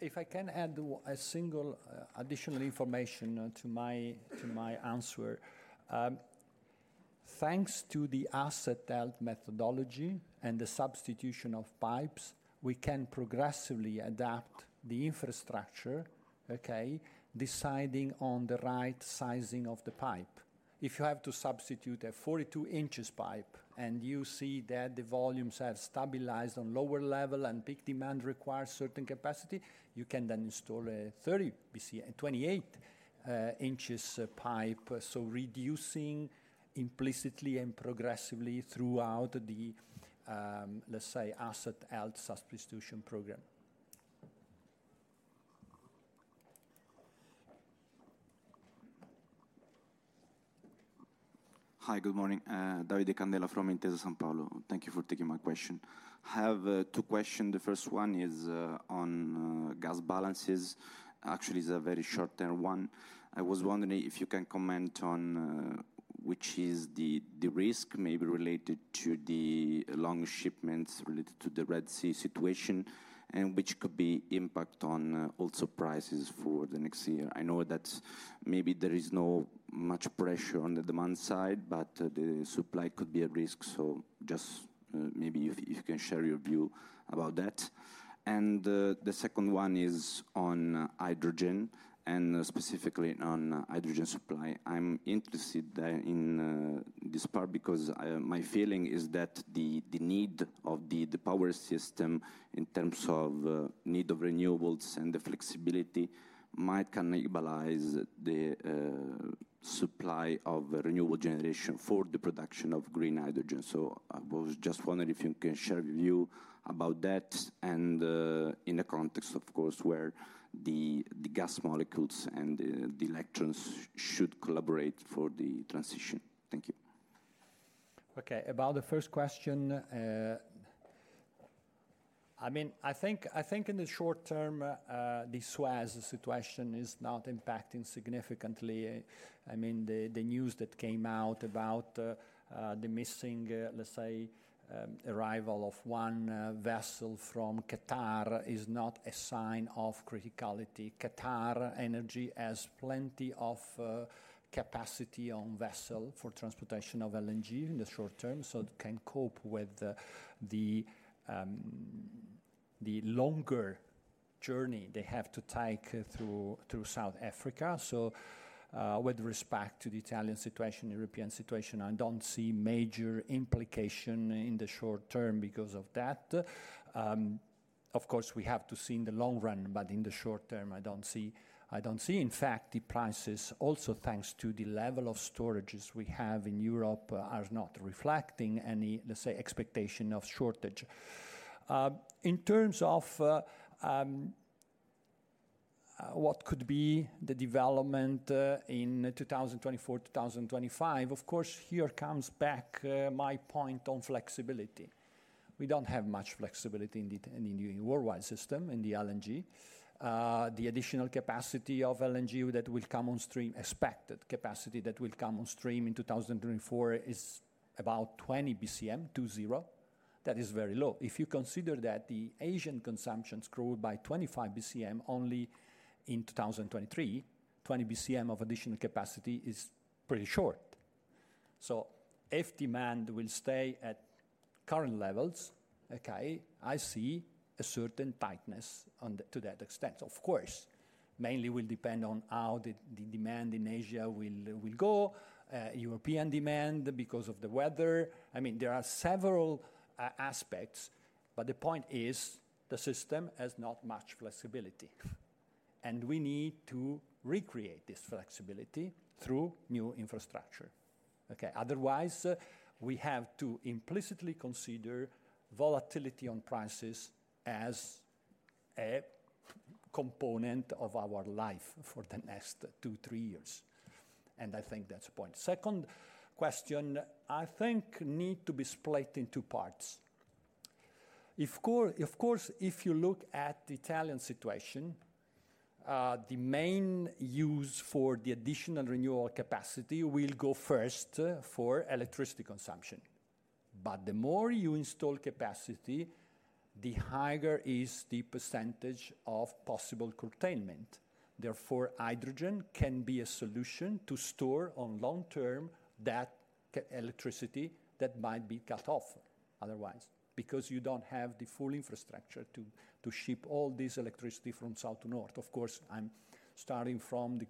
If I can add a single, additional information to my, to my answer. Thanks to the Asset Health Methodology and the substitution of pipes, we can progressively adapt the infrastructure, okay, deciding on the right sizing of the pipe. If you have to substitute a 42-inch pipe, and you see that the volumes have stabilized on lower level and peak demand requires certain capacity, you can then install a 28 inches pipe. So reducing implicitly and progressively throughout the, let's say, asset health substitution program. Hi, good morning. Davide Candela from Intesa Sanpaolo. Thank you for taking my question. I have two question. The first one is on gas balances. Actually, it's a very short-term one. I was wondering if you can comment on which is the risk may be related to the long shipments related to the Red Sea situation, and which could be impact on also prices for the next year. I know that maybe there is no much pressure on the demand side, but the supply could be at risk. So just maybe if you can share your view about that. And the second one is on hydrogen and specifically on hydrogen supply. I'm interested in this part because my feeling is that the need of the power system in terms of need of renewables and the flexibility might cannibalize the supply of renewable generation for the production of green hydrogen. So I was just wondering if you can share your view about that and in the context, of course, where the gas molecules and the electrons should collaborate for the transition. Thank you. Okay, about the first question, I mean, I think, I think in the short-term, the Suez situation is not impacting significantly. I mean, the news that came out about the missing, let's say, arrival of one vessel from Qatar is not a sign of criticality. QatarEnergy has plenty of capacity on vessel for transportation of LNG in the short-term, so it can cope with the longer journey they have to take through South Africa. So, with respect to the Italian situation, European situation, I don't see major implication in the short-term because of that. Of course, we have to see in the long run, but in the short-term, I don't see, I don't see. In fact, the prices, also thanks to the level of storages we have in Europe, are not reflecting any, let's say, expectation of shortage. In terms of what could be the development in 2024, 2025, of course, here comes back my point on flexibility. We don't have much flexibility in the, in the worldwide system, in the LNG. The additional capacity of LNG that will come on stream, expected capacity that will come on stream in 2024 is about 20 BCM, 20. That is very low. If you consider that the Asian consumption grew by 25 BCM only in 2023, 20 BCM of additional capacity is pretty short. So if demand will stay at current levels, okay, I see a certain tightness on the—to that extent. Of course, mainly will depend on how the demand in Asia will go, European demand because of the weather. I mean, there are several aspects, but the point is, the system has not much flexibility, and we need to recreate this flexibility through new infrastructure. Okay. Otherwise, we have to implicitly consider volatility on prices as a component of our life for the next 2-3 years, and I think that's the point. Second question, I think need to be split in two parts. Of course, if you look at the Italian situation, the main use for the additional renewable capacity will go first for electricity consumption. But the more you install capacity, the higher is the percentage of possible curtailment. Therefore, hydrogen can be a solution to store on long-term that electricity that might be cut off otherwise, because you don't have the full infrastructure to ship all this electricity from south to north. Of course, I'm starting from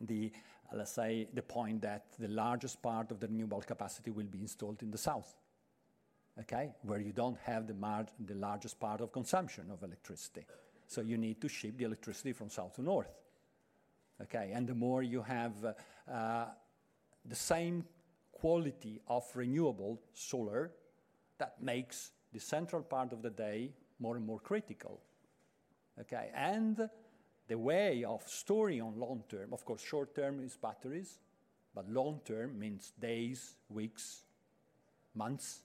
the, let's say, the point that the largest part of the renewable capacity will be installed in the south, okay? Where you don't have the largest part of consumption of electricity, so you need to ship the electricity from south to north. Okay, and the more you have the same quality of renewable solar, that makes the central part of the day more and more critical, okay? And the way of storing on long-term, of course, short-term is batteries, but long-term means days, weeks, months,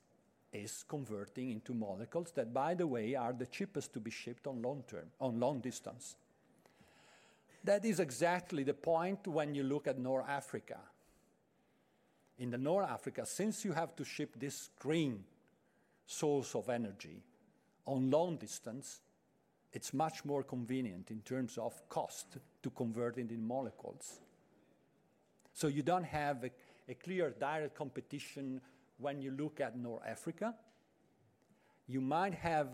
is converting into molecules that, by the way, are the cheapest to be shipped on long-term, on long distance. That is exactly the point when you look at North Africa. In North Africa, since you have to ship this green source of energy on long distance, it's much more convenient in terms of cost to convert it in molecules. So you don't have a clear direct competition when you look at North Africa. You might have,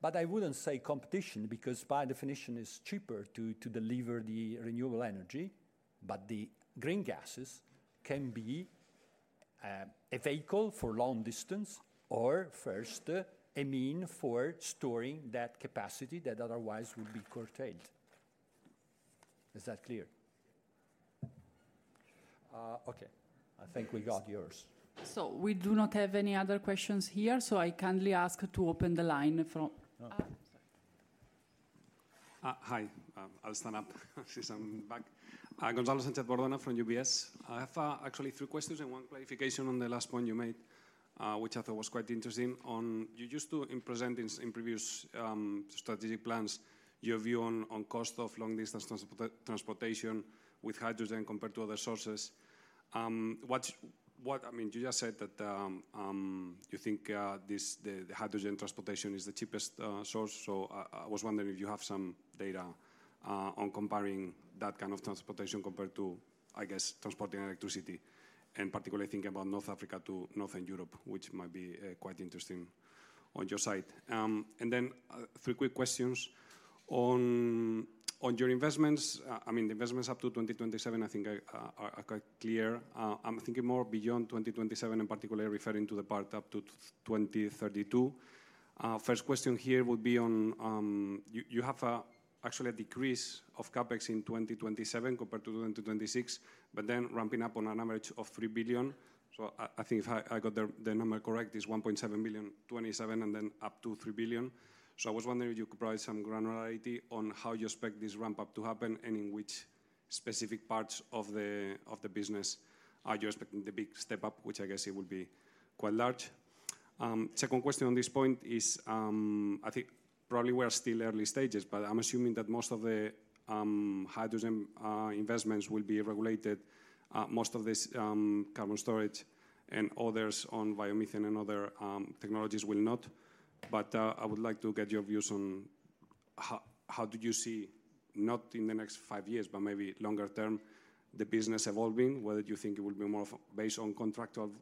but I wouldn't say competition, because by definition, it's cheaper to deliver the renewable energy, but the green gases can be a vehicle for long distance, or first, a mean for storing that capacity that otherwise would be curtailed. Is that clear? Okay, I think we got yours. We do not have any other questions here, so I kindly ask to open the line for... Okay. Hi, I'll stand up since I'm back. Gonzalo Sanchez-Bordona from UBS. I have actually three questions and one clarification on the last point you made, which I thought was quite interesting. You used to, in presenting in previous strategic plans, your view on cost of long-distance transportation with hydrogen compared to other sources. I mean, you just said that you think this, the hydrogen transportation is the cheapest source. So I was wondering if you have some data on comparing that kind of transportation compared to, I guess, transporting electricity, and particularly thinking about North Africa to Northern Europe, which might be quite interesting on your side. And then three quick questions. On your investments, I mean, the investments up to 2027, I think are quite clear. I'm thinking more beyond 2027, and particularly referring to the part up to 2032. First question here would be on, you have actually a decrease of CapEx in 2027 compared to 2026, but then ramping up on an average of 3 billion. So I think if I got the number correct, it's 1.7 billion 2027 and then up to 3 billion. So I was wondering if you could provide some granularity on how you expect this ramp-up to happen, and in which specific parts of the business are you expecting the big step-up, which I guess it would be quite large. Second question on this point is, I think probably we are still early stages, but I'm assuming that most of the hydrogen investments will be regulated. Most of this carbon storage and others on Biomethane and other technologies will not. But I would like to get your views on how, how did you see, not in the next five years, but maybe longer term, the business evolving? Whether you think it will be more of based on contract of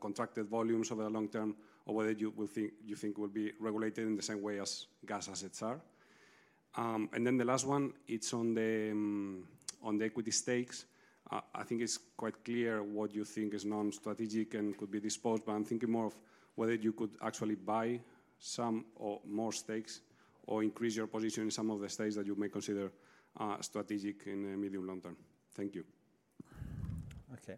contracted volumes over the long-term, or whether you will think—you think will be regulated in the same way as gas assets are. And then the last one, it's on the equity stakes. I think it's quite clear what you think is non-strategic and could be disposed, but I'm thinking more of whether you could actually buy some or more stakes or increase your position in some of the stakes that you may consider strategic in the medium long-term. Thank you. Okay,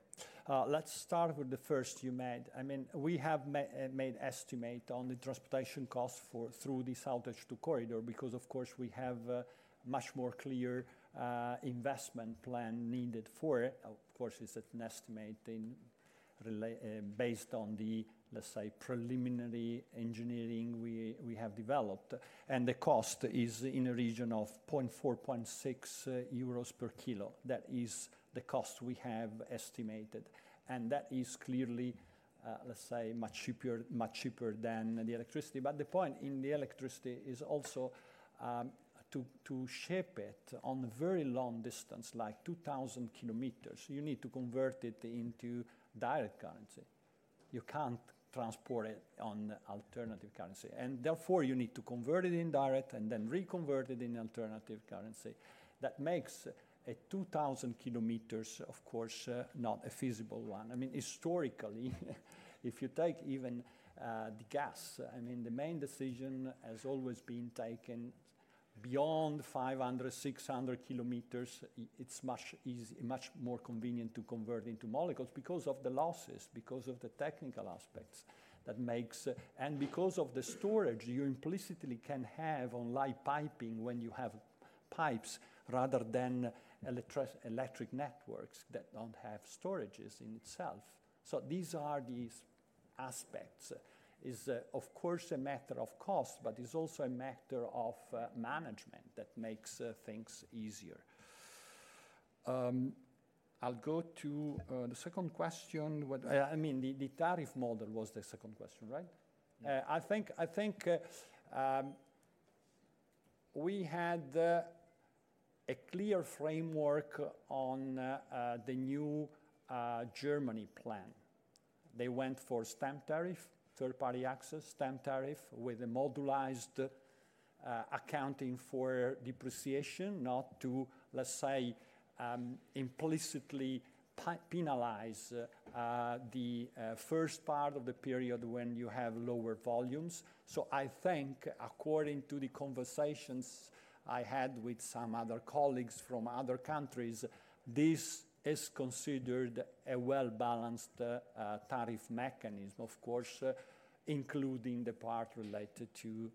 let's start with the first you made. I mean, we have made estimate on the transportation cost for through the SoutH2 Corridor, because, of course, we have a much more clear investment plan needed for it. Of course, it's an estimate in relation based on the, let's say, preliminary engineering we have developed, and the cost is in a region of 0.4-0.6 euros per kilo. That is the cost we have estimated, and that is clearly, let's say, much cheaper, much cheaper than the electricity. But the point in the electricity is also, to ship it on a very long distance, like 2,000 km, you need to convert it into direct current. You can't transport it on alternating current, and therefore, you need to convert it in direct and then reconvert it in alternating current. That makes 2,000 km, of course, not a feasible one. I mean, historically, if you take even the gas, I mean, the main decision has always been taken beyond 500km, 600 km. It's much easier, much more convenient to convert into molecules because of the losses, because of the technical aspects that makes. And because of the storage, you implicitly can have on live piping when you have pipes, rather than electric networks that don't have storage in itself. So these are these aspects. It's, of course, a matter of cost, but it's also a matter of management that makes things easier. I'll go to the second question. What, I mean, the tariff model was the second question, right? Yeah. I think, I think, we had a clear framework on the new German plan. They went for stamp tariff, third-party access, stamp tariff with a modularized accounting for depreciation, not to, let's say, implicitly penalize the first part of the period when you have lower volumes. So I think according to the conversations I had with some other colleagues from other countries, this is considered a well-balanced tariff mechanism. Of course, including the part related to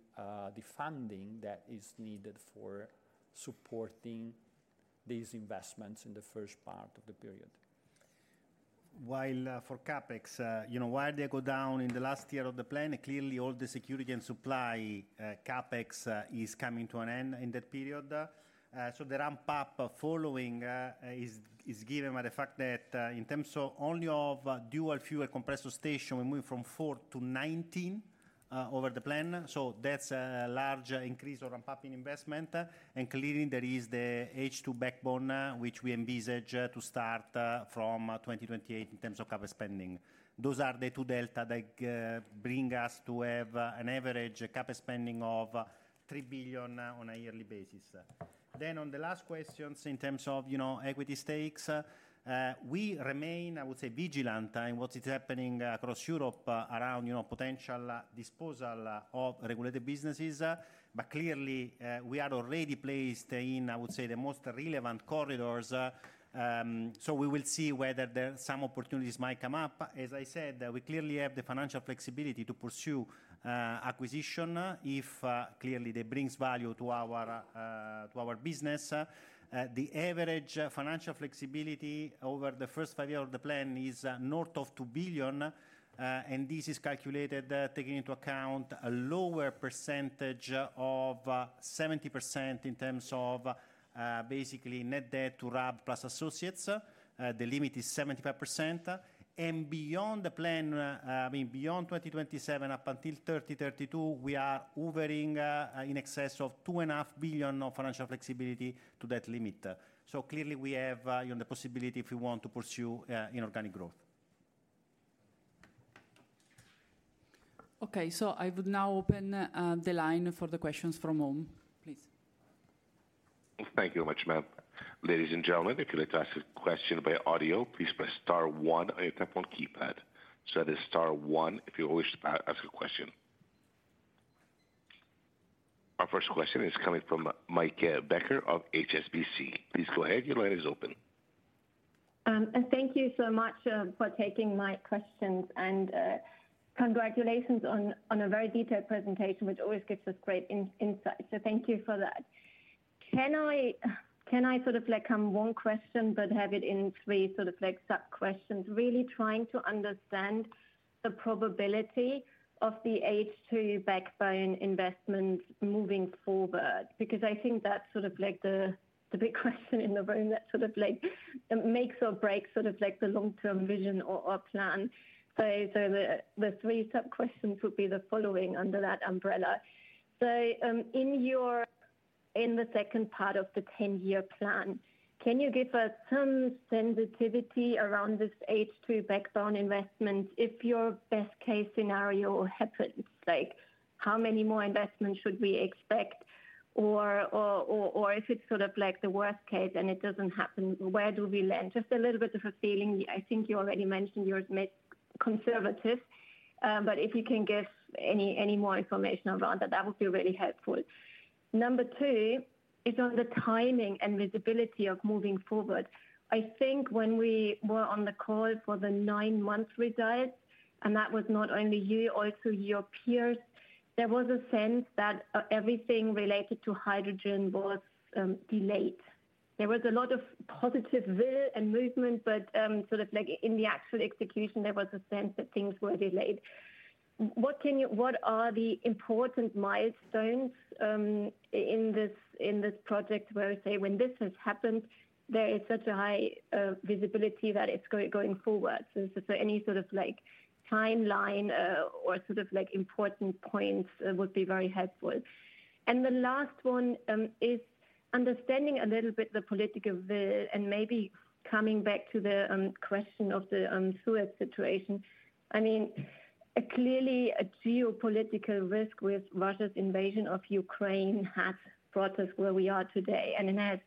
the funding that is needed for supporting these investments in the first part of the period. While, for CapEx, you know, while they go down in the last year of the plan, clearly all the security and supply CapEx is coming to an end in that period. So the ramp-up following is given by the fact that, in terms of only of dual-fuel compressor station, we move from 4-19 over the plan. So that's a large increase of ramp-up in investment. And clearly, there is the H2 backbone, which we envisage to start from 2028 in terms of CapEx spending. Those are the two delta that bring us to have an average CapEx spending of 3 billion on a yearly basis. Then on the last questions, in terms of, you know, equity stakes, we remain, I would say, vigilant in what is happening across Europe, around, you know, potential disposal of regulated businesses. But clearly, we are already placed in, I would say, the most relevant corridors, so we will see whether there some opportunities might come up. As I said, we clearly have the financial flexibility to pursue acquisition, if clearly that brings value to our, to our business. The average financial flexibility over the first five years of the plan is north of 2 billion, and this is calculated taking into account a lower percentage of 70% in terms of basically net debt to RAB plus associates. The limit is 75%. And beyond the plan, I mean, beyond 2027, up until 2032, we are hovering in excess of 2.5 billion of financial flexibility to that limit. So clearly, we have the possibility if we want to pursue inorganic growth. Okay, so I would now open the line for the questions from home. Please. Thank you very much, ma'am. Ladies and gentlemen, if you'd like to ask a question by audio, please press Star one on your telephone keypad. So that is Star one if you wish to ask a question. Our first question is coming from Maike Becker of HSBC. Please go ahead. Your line is open. Thank you so much for taking my questions, and congratulations on a very detailed presentation, which always gives us great insight. So thank you for that. Can I sort of like one question, but have it in three sort of like sub-questions, really trying to understand the probability of the H2 backbone investment moving forward? Because I think that's sort of like the big question in the room that sort of like makes or breaks sort of like the long-term vision or plan. So the three sub-questions would be the following under that umbrella. So in your—in the second part of the 10-year plan, can you give us some sensitivity around this H2 backbone investment if your best-case scenario happens? Like, how many more investments should we expect? If it's sort of like the worst case and it doesn't happen, where do we land? Just a little bit of a feeling. I think you already mentioned you are mid-conservative, but if you can give any more information around that, that would be really helpful. Number two is on the timing and visibility of moving forward. I think when we were on the call for the nine-month results, and that was not only you, also your peers, there was a sense that everything related to hydrogen was delayed. There was a lot of positive will and movement, but sort of like in the actual execution, there was a sense that things were delayed. What are the important milestones in this project, where we say when this has happened, there is such a high visibility that it's going forward? So any sort of like timeline or sort of like important points would be very helpful. And the last one is understanding a little bit the political will, and maybe coming back to the question of the Suez situation. I mean, clearly a geopolitical risk with Russia's invasion of Ukraine has brought us where we are today, and it has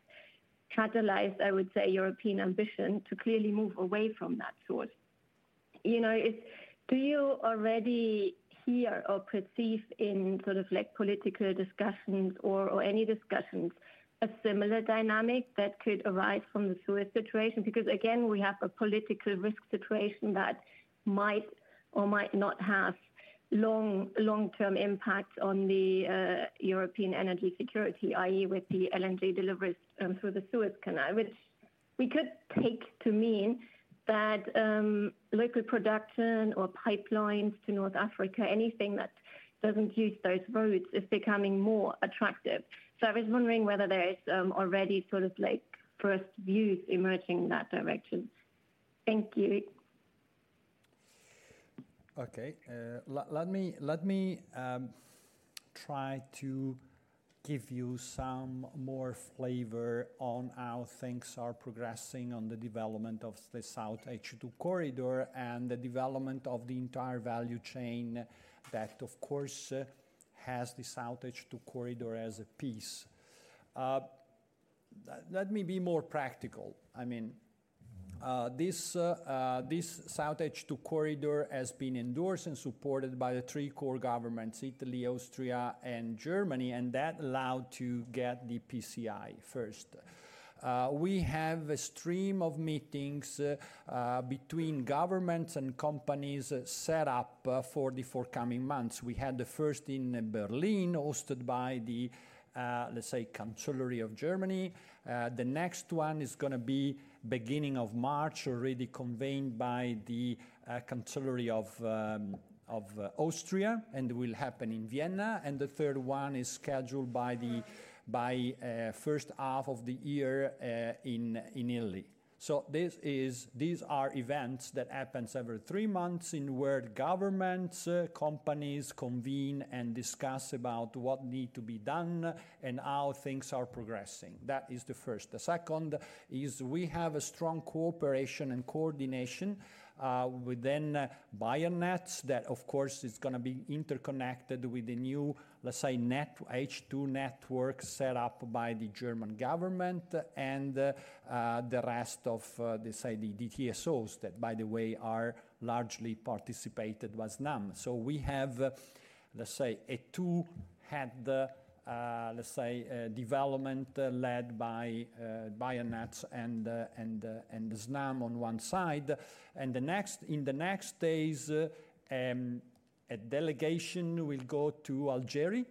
catalyzed, I would say, European ambition to clearly move away from that source. You know, do you already hear or perceive in sort of like political discussions or any discussions, a similar dynamic that could arise from the Suez situation? Because, again, we have a political risk situation that might or might not have long, long-term impacts on the European energy security, i.e., with the LNG deliveries through the Suez Canal. Which we could take to mean that local production or pipelines to North Africa, anything that doesn't use those routes, is becoming more attractive. So I was wondering whether there is already sort of like first views emerging in that direction. Thank you. Okay. Let me try to give you some more flavor on how things are progressing on the development of the SoutH2 Corridor and the development of the entire value chain that, of course, has the SoutH2 Corridor as a piece. Let me be more practical. I mean, this SoutH2 Corridor has been endorsed and supported by the three core governments: Italy, Austria, and Germany, and that allowed to get the PCI first. We have a stream of meetings between governments and companies set up for the forthcoming months. We had the first in Berlin, hosted by the, let's say, Chancellery of Germany. The next one is gonna be beginning of March, already convened by the Chancellery of Austria, and will happen in Vienna. And the third one is scheduled by the first half of the year in Italy. So this is—these are events that happens every three months, in where governments, companies, convene and discuss about what need to be done and how things are progressing. That is the first. The second is we have a strong cooperation and coordination within Bayernets that, of course, is gonna be interconnected with the new, let's say, net H2 network set up by the German government and the rest of the, say, the TSOs, that, by the way, are largely participated with Snam. So we have, let's say, a two-head, let's say, development led by Bayernets and Snam on one side. And next, in the next days, a delegation will go to Algeria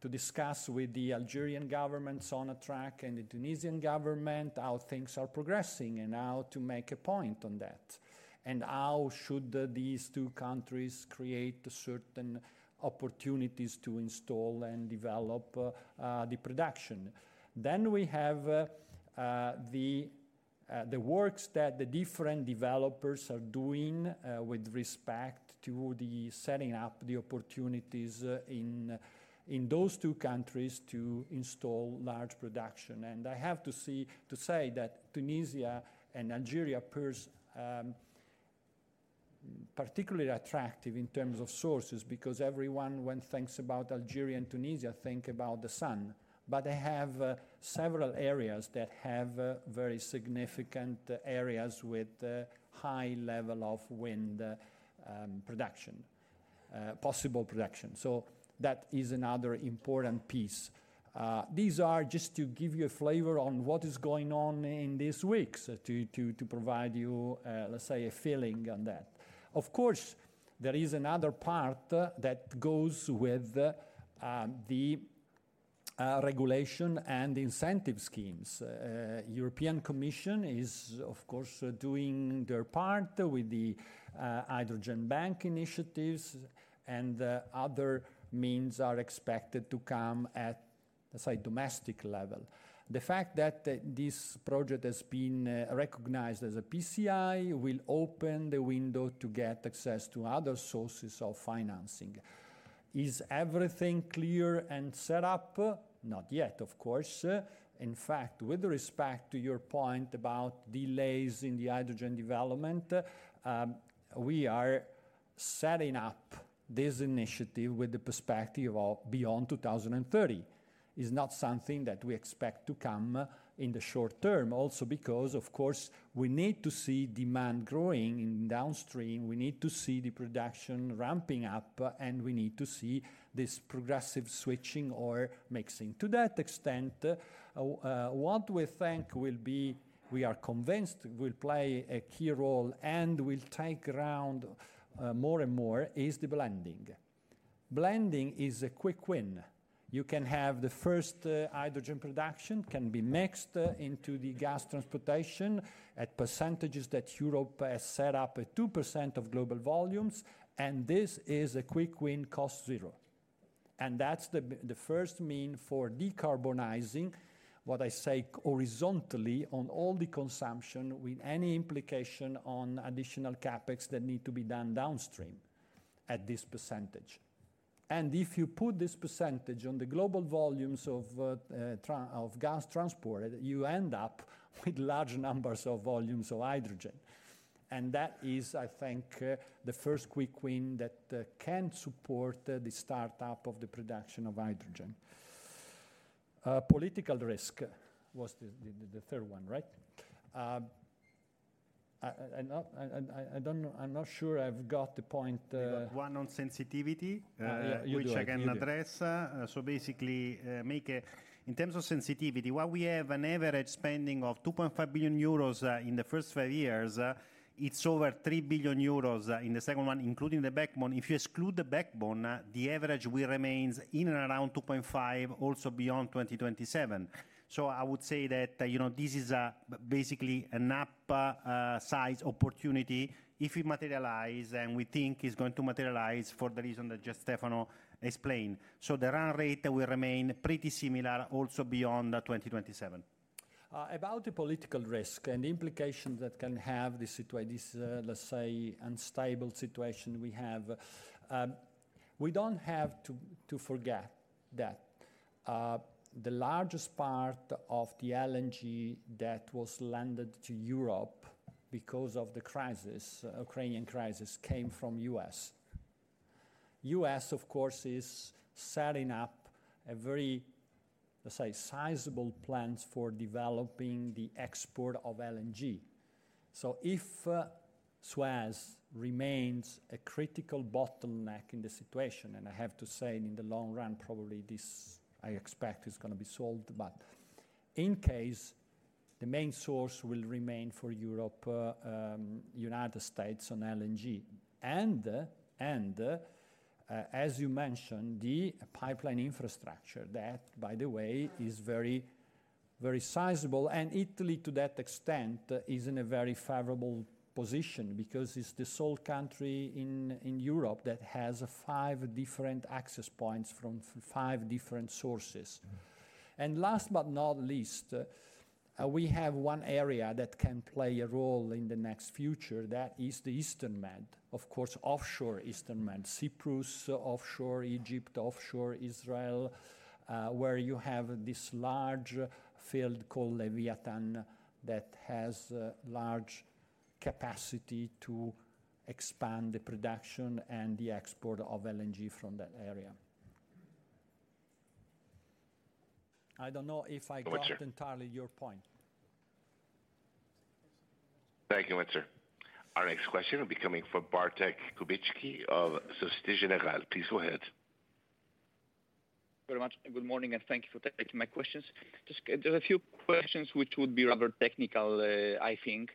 to discuss with the Algerian government on a track, and the Tunisian government, how things are progressing and how to make a point on that, and how should these two countries create certain opportunities to install and develop the production. Then we have the works that the different developers are doing with respect to the setting up the opportunities in those two countries to install large production. And I have to say that Tunisia and Algeria appear particularly attractive in terms of sources, because everyone, when thinks about Algeria and Tunisia, think about the sun. But they have several areas that have very significant areas with high level of wind production possible production. So that is another important piece. These are just to give you a flavor on what is going on in these weeks, to provide you, let's say, a feeling on that. Of course, there is another part that goes with the regulation and incentive schemes. European Commission is, of course, doing their part with the Hydrogen Bank initiatives, and other means are expected to come at, let's say, domestic level. The fact that this project has been recognized as a PCI will open the window to get access to other sources of financing. Is everything clear and set up? Not yet, of course. In fact, with respect to your point about delays in the hydrogen development, we are setting up this initiative with the perspective of beyond 2030. Is not something that we expect to come in the short-term. Also, because, of course, we need to see demand growing in downstream, we need to see the production ramping up, and we need to see this progressive switching or mixing. To that extent, what we think will be... we are convinced will play a key role and will take ground, more and more, is the blending. Blending is a quick win. You can have the first, hydrogen production can be mixed into the gas transportation at percentages that Europe has set up at 2% of global volumes, and this is a quick win, cost zero. And that's the first mean for decarbonizing, what I say, horizontally on all the consumption, with any implication on additional CapEx that need to be done downstream at this percentage. And if you put this percentage on the global volumes of gas transported, you end up with large numbers of volumes of hydrogen, and that is, I think, the first quick win that can support the startup of the production of hydrogen. Political risk was the third one, right? I don't know—I'm not sure I've got the point. You have one on sensitivity- Yeah, you do. You do. Which I can address. So basically, in terms of sensitivity, while we have an average spending of 2.5 billion euros in the first five years, it's over 3 billion euros in the second one, including the backbone. If you exclude the backbone, the average will remains in and around 2.5 million, also beyond 2027. So I would say that, you know, this is basically an upsize opportunity if it materialize, and we think it's going to materialize for the reason that just Stefano explained. So the run rate will remain pretty similar, also beyond 2027. About the political risk and implications that can have this, let's say, unstable situation we have, we don't have to forget that- he largest part of the LNG that was landed to Europe because of the crisis, Ukrainian crisis, came from U.S. U.S., of course, is setting up a very, let's say, sizable plans for developing the export of LNG. So if, Suez remains a critical bottleneck in the situation, and I have to say, in the long run, probably this, I expect, is going to be solved. But in case, the main source will remain for Europe, United States on LNG. And, and, as you mentioned, the pipeline infrastructure, that, by the way, is very, very sizable. And Italy, to that extent, is in a very favorable position because it's the sole country in, in Europe that has, five different access points from five different sources. And last but not least, we have one area that can play a role in the next future. That is the Eastern Med, of course, offshore Eastern Med, Cyprus offshore, Egypt offshore, Israel, where you have this large field called Leviathan, that has large capacity to expand the production and the export of LNG from that area. I don't know if I got- Thank you. Entirely your point. Thank you much, sir. Our next question will be coming from Bartłomiej Kubicki of Société Générale. Please go ahead. Very much. Good morning, and thank you for taking my questions. Just there are a few questions which would be rather technical, I think.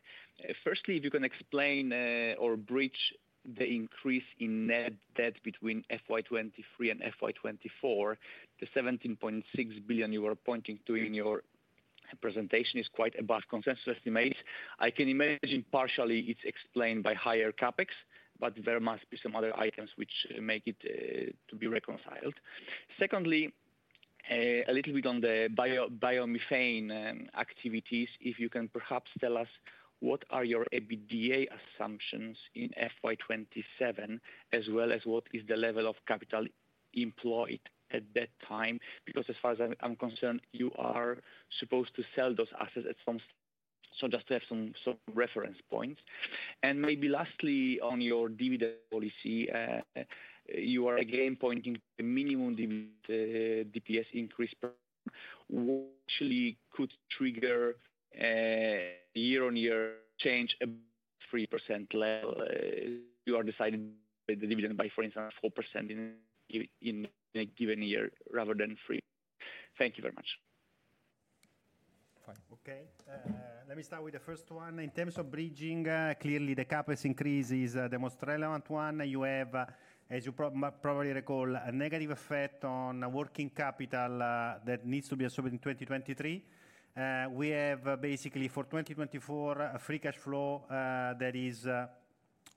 Firstly, if you can explain or bridge the increase in net debt between FY 2023 and FY 2024. The 17.6 billion you were pointing to in your presentation is quite above consensus estimates. I can imagine partially it's explained by higher CapEx, but there must be some other items which make it to be reconciled. Secondly, a little bit on the biomethane activities. If you can perhaps tell us, what are your EBITDA assumptions in FY 2027, as well as what is the level of capital employed at that time? Because as far as I'm concerned, you are supposed to sell those assets at some point, so just to have some reference points. Maybe lastly, on your dividend policy, you are again pointing to a minimum dividend DPS increase per which actually could trigger year-on-year change at 3% level. You are deciding the dividend by, for instance, 4% in a given year rather than 3%. Thank you very much. Fine. Okay, let me start with the first one. In terms of bridging, clearly, the CapEx increase is the most relevant one. You have, as you probably recall, a negative effect on working capital that needs to be absorbed in 2023. We have basically, for 2024, a free cash flow that is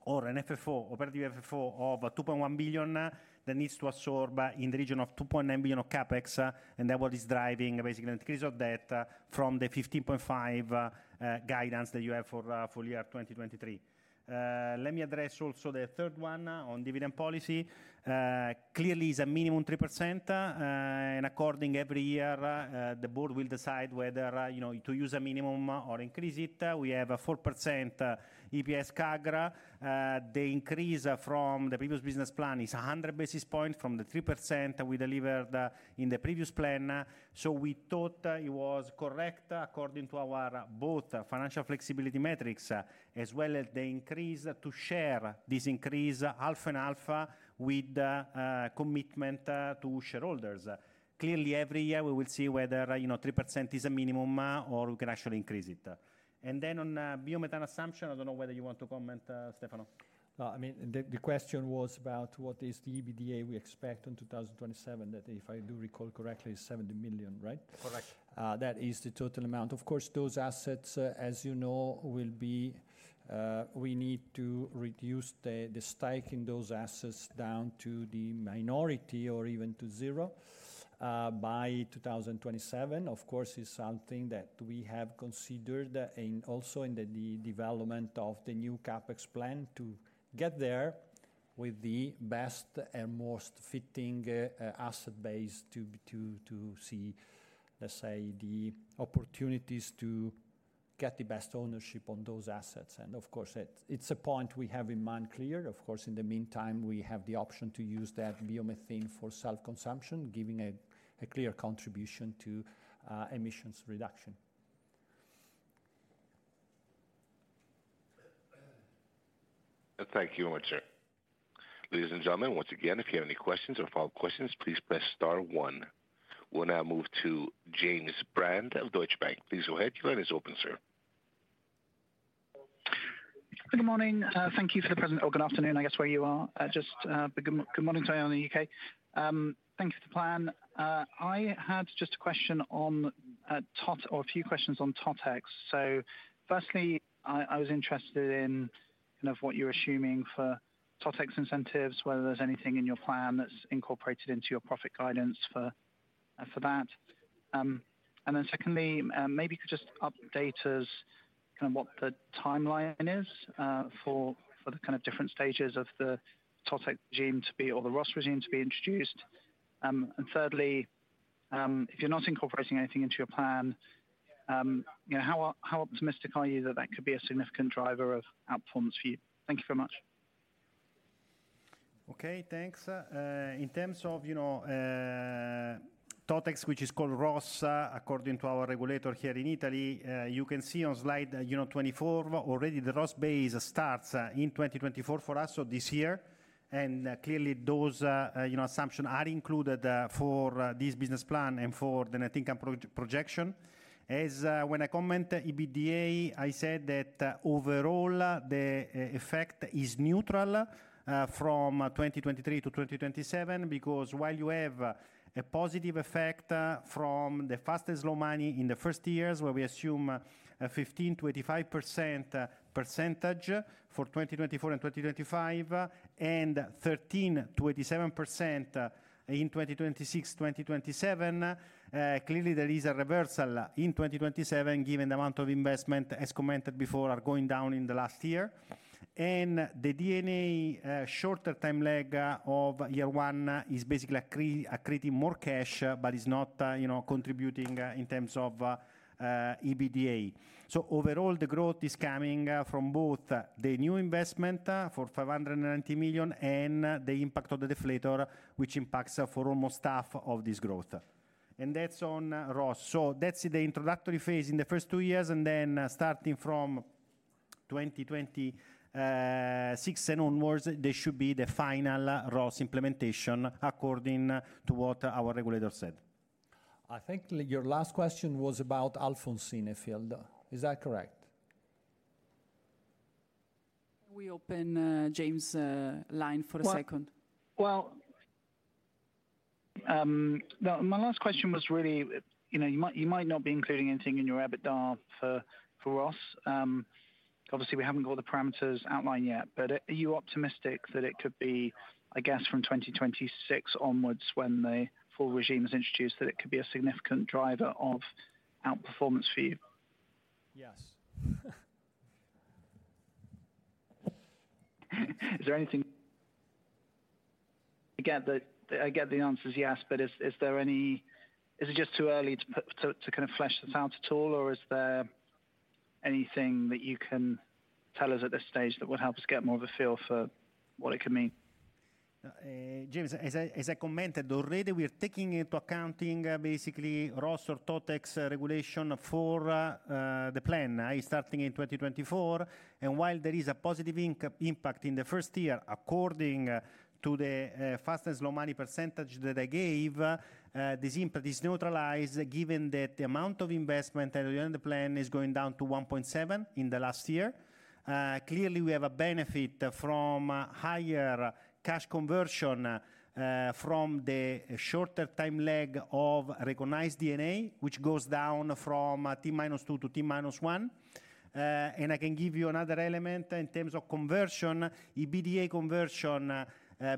or an FFO, operating FFO of 2.1 billion that needs to absorb in the region of 2.9 billion of CapEx, and that what is driving basically an increase of debt from the 15.5 billion guidance that you have for full-year 2023. Let me address also the third one on dividend policy. Clearly, it's a minimum 3%, and according every year, the board will decide whether, you know, to use a minimum or increase it. We have a 4% EPS CAGR. The increase from the previous business plan is 100 basis points from the 3% we delivered in the previous plan. So we thought it was correct, according to our both financial flexibility metrics, as well as the increase to share this increase half and half with commitment to shareholders. Clearly, every year we will see whether, you know, 3% is a minimum or we can actually increase it. And then on biomethane assumption, I don't know whether you want to comment, Stefano. No, I mean, the question was about what is the EBITDA we expect in 2027, that if I do recall correctly, is 70 million, right? Correct. That is the total amount. Of course, those assets, as you know, will be, we need to reduce the stake in those assets down to the minority or even to zero, by 2027. Of course, it's something that we have considered in, also in the development of the new CapEx plan to get there with the best and most fitting asset base to see, let's say, the opportunities to get the best ownership on those assets. And of course, it's a point we have in mind clear. Of course, in the meantime, we have the option to use that biomethane for self-consumption, giving a clear contribution to emissions reduction. Thank you very much, sir. Ladies and gentlemen, once again, if you have any questions or follow-up questions, please press star one. We'll now move to James Brand of Deutsche Bank. Please go ahead. Your line is open, sir. Good morning. Thank you for the presentation. Or good afternoon, I guess, where you are. Just, but good morning to you in the U.K. Thank you for the plan. I had just a question on or a few questions on TOTEX. So firstly, I was interested in, kind of, what you're assuming for TOTEX incentives, whether there's anything in your plan that's incorporated into your profit guidance for that? And then secondly, maybe you could just update us kind of what the timeline is for the kind of different stages of the TOTEX regime to be or the ROSS regime to be introduced. And thirdly, if you're not incorporating anything into your plan, you know, how optimistic are you that that could be a significant driver of outperformance for you? Thank you very much. Okay, thanks. In terms of, you know, TOTEX, which is called ROSS, according to our regulator here in Italy, you can see on slide, you know, 24, already the ROSS base starts in 2024 for us, so this year. Clearly, those, you know, assumptions are included for this business plan and for the net income projection. As, when I comment EBITDA, I said that overall, the effect is neutral from 2023 to 2027. Because while you have a positive effect from the fast and slow money in the first years, where we assume 15%-25% for 2024 and 2025, and 13%-27% in 2026, 2027. Clearly there is a reversal in 2027, given the amount of investment, as commented before, are going down in the last year. And the D&A, shorter time lag, of year one, is basically accreting more cash, but is not, you know, contributing, in terms of, EBITDA. So overall, the growth is coming from both, the new investment, for 590 million, and, the impact of the deflator, which impacts, for almost half of this growth. And that's on, ROS. So that's the introductory phase in the first two years, and then, starting from 2026 and onwards, there should be the final ROS implementation, according to what our regulator said. I think your last question was about Alfonsine field. Is that correct? Can we open James's line for a second? Well, no, my last question was really, you know, you might, you might not be including anything in your EBITDA for, for ROSS. Obviously, we haven't got the parameters outlined yet, but, are you optimistic that it could be, I guess, from 2026 onwards, when the full regime is introduced, that it could be a significant driver of outperformance for you? Yes. Again, I get the answer is yes, but is there any? Is it just too early to kind of flesh this out at all? Or is there anything that you can tell us at this stage that would help us get more of a feel for what it could mean? James, as I commented already, we are taking into accounting basically, ROS or TOTEX regulation for the plan starting in 2024. And while there is a positive impact in the first year, according to the fast and slow money percentage that I gave, this impact is neutralized given that the amount of investment earlier in the plan is going down to 1.7 in the last year. Clearly, we have a benefit from higher cash conversion from the shorter time lag of recognized D&A, which goes down from T-2 to T-1. And I can give you another element in terms of conversion. EBITDA conversion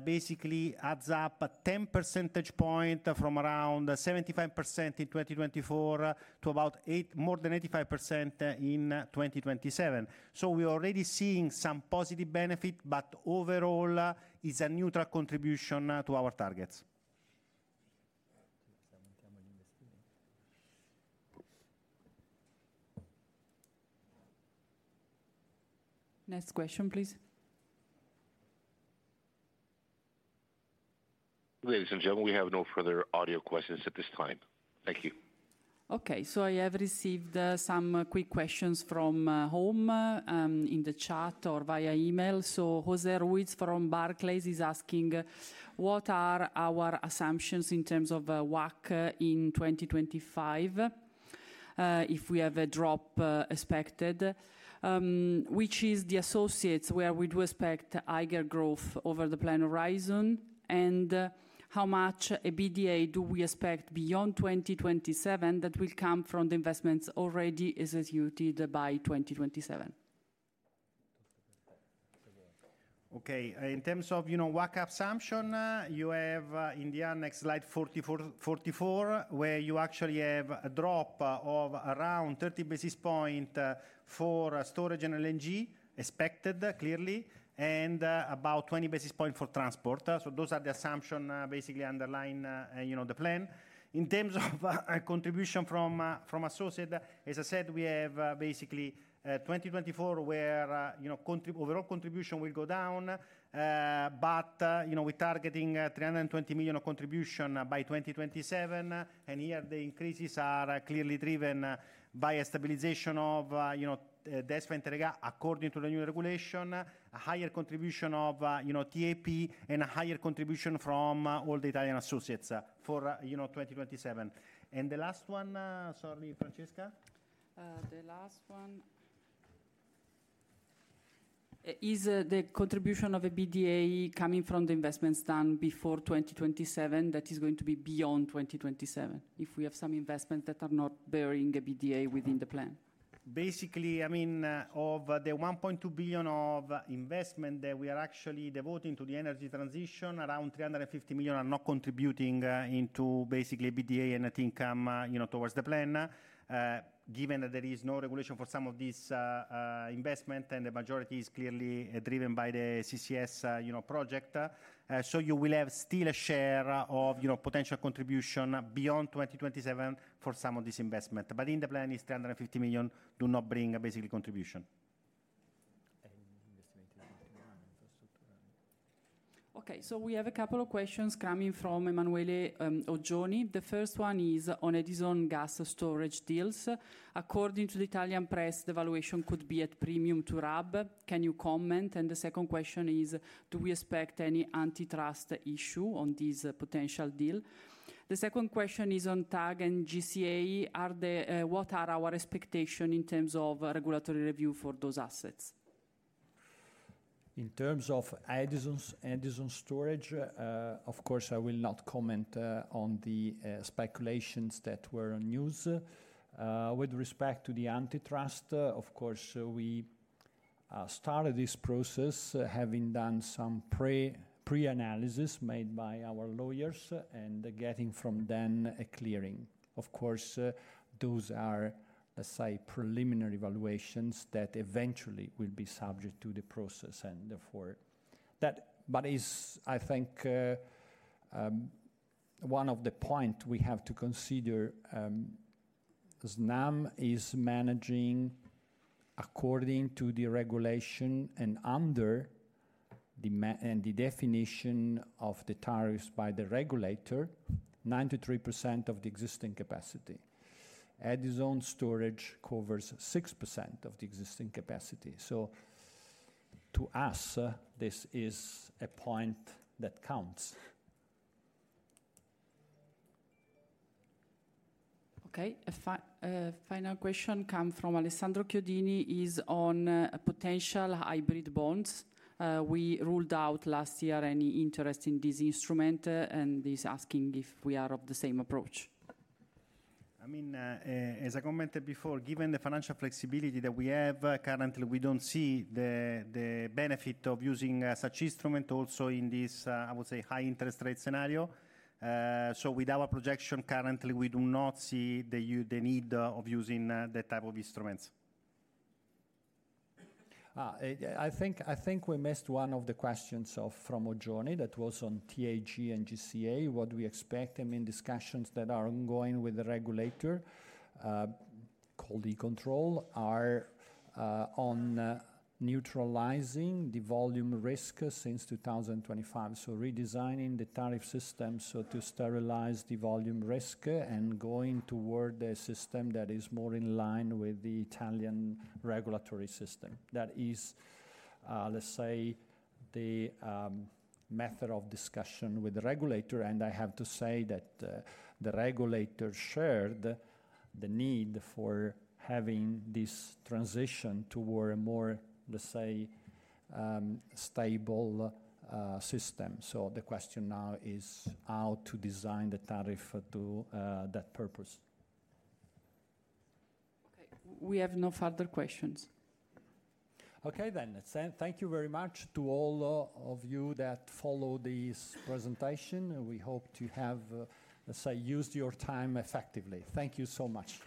basically adds up 10 percentage points from around 75% in 2024, to more than 85% in 2027. We are already seeing some positive benefit, but overall, it's a neutral contribution to our targets. Next question, please. Ladies and gentlemen, we have no further audio questions at this time. Thank you. Okay, so I have received some quick questions from home in the chat or via email. So Jose Ruiz from Barclays is asking: What are our assumptions in terms of WACC in 2025 if we have a drop expected? Which is the associates where we'd expect higher growth over the plan horizon? And how much EBITDA do we expect beyond 2027 that will come from the investments already executed by 2027? Okay, in terms of, you know, WACC assumption, you have, in the next Slide 44, 44, where you actually have a drop of around 30 basis points, for storage and LNG, expected, clearly, and, about 20 basis points for transport. So those are the assumptions, basically that underlie, you know, the plan. In terms of, contribution from, from associates, as I said, we have, basically, 2024, where, you know, overall contribution will go down. But, you know, we're targeting, 320 million of contribution by 2027. Here, the increases are clearly driven by a stabilization of, you know, DESFA and Teréga, according to the new regulation, a higher contribution of, you know, TAP, and a higher contribution from all the Italian associates, for, you know, 2027. The last one, sorry, Francesca? The last one is the contribution of EBITDA coming from the investments done before 2027, that is going to be beyond 2027, if we have some investments that are not bearing EBITDA within the plan? Basically, I mean, of the 1.2 billion of investment that we are actually devoting to the energy transition, around 350 million are not contributing into basically EBITDA and net income, you know, towards the plan, given that there is no regulation for some of these investment, and the majority is clearly driven by the CCS, you know, project. So you will have still a share of, you know, potential contribution beyond 2027 for some of this investment. But in the plan, this 350 million do not bring basically contribution. Okay, so we have a couple of questions coming from Emanuele Oggioni. The first one is on Edison gas storage deals. According to the Italian press, the valuation could be at premium to RAB. Can you comment? And the second question is: do we expect any antitrust issue on this potential deal? The second question is on TAG and GCA. Are the, What are our expectation in terms of regulatory review for those assets? In terms of Edison's Edison storage, of course, I will not comment on the speculations that were on news. With respect to the antitrust, of course, we started this process, having done some pre-analysis made by our lawyers and getting from them a clearing. Of course, those are, let's say, preliminary evaluations that eventually will be subject to the process and therefore... That. But is, I think, one of the point we have to consider. Snam is managing according to the regulation and under the and the definition of the tariffs by the regulator, 93% of the existing capacity. Edison storage covers 6% of the existing capacity. So to us, this is a point that counts. Okay. A final question comes from Alessandro Chiodini, is on potential hybrid bonds. We ruled out last year any interest in this instrument, and he's asking if we are of the same approach. I mean, as I commented before, given the financial flexibility that we have, currently, we don't see the benefit of using such instrument also in this, I would say, high interest rate scenario. So with our projection, currently, we do not see the need of using that type of instruments. I think, I think we missed one of the questions of, from Oggioni. That was on TAG and GCA, what we expect. I mean, discussions that are ongoing with the regulator, called E-Control, are on neutralizing the volume risk since 2025. So redesigning the tariff system, so to sterilize the volume risk and going toward a system that is more in line with the Italian regulatory system. That is, let's say, the method of discussion with the regulator, and I have to say that, the regulator shared the need for having this transition toward a more, let's say, stable, system. So the question now is how to design the tariff to that purpose. Okay, we have no further questions. Okay, then. Thank you very much to all of you that follow this presentation. We hope to have, let's say, used your time effectively. Thank you so much.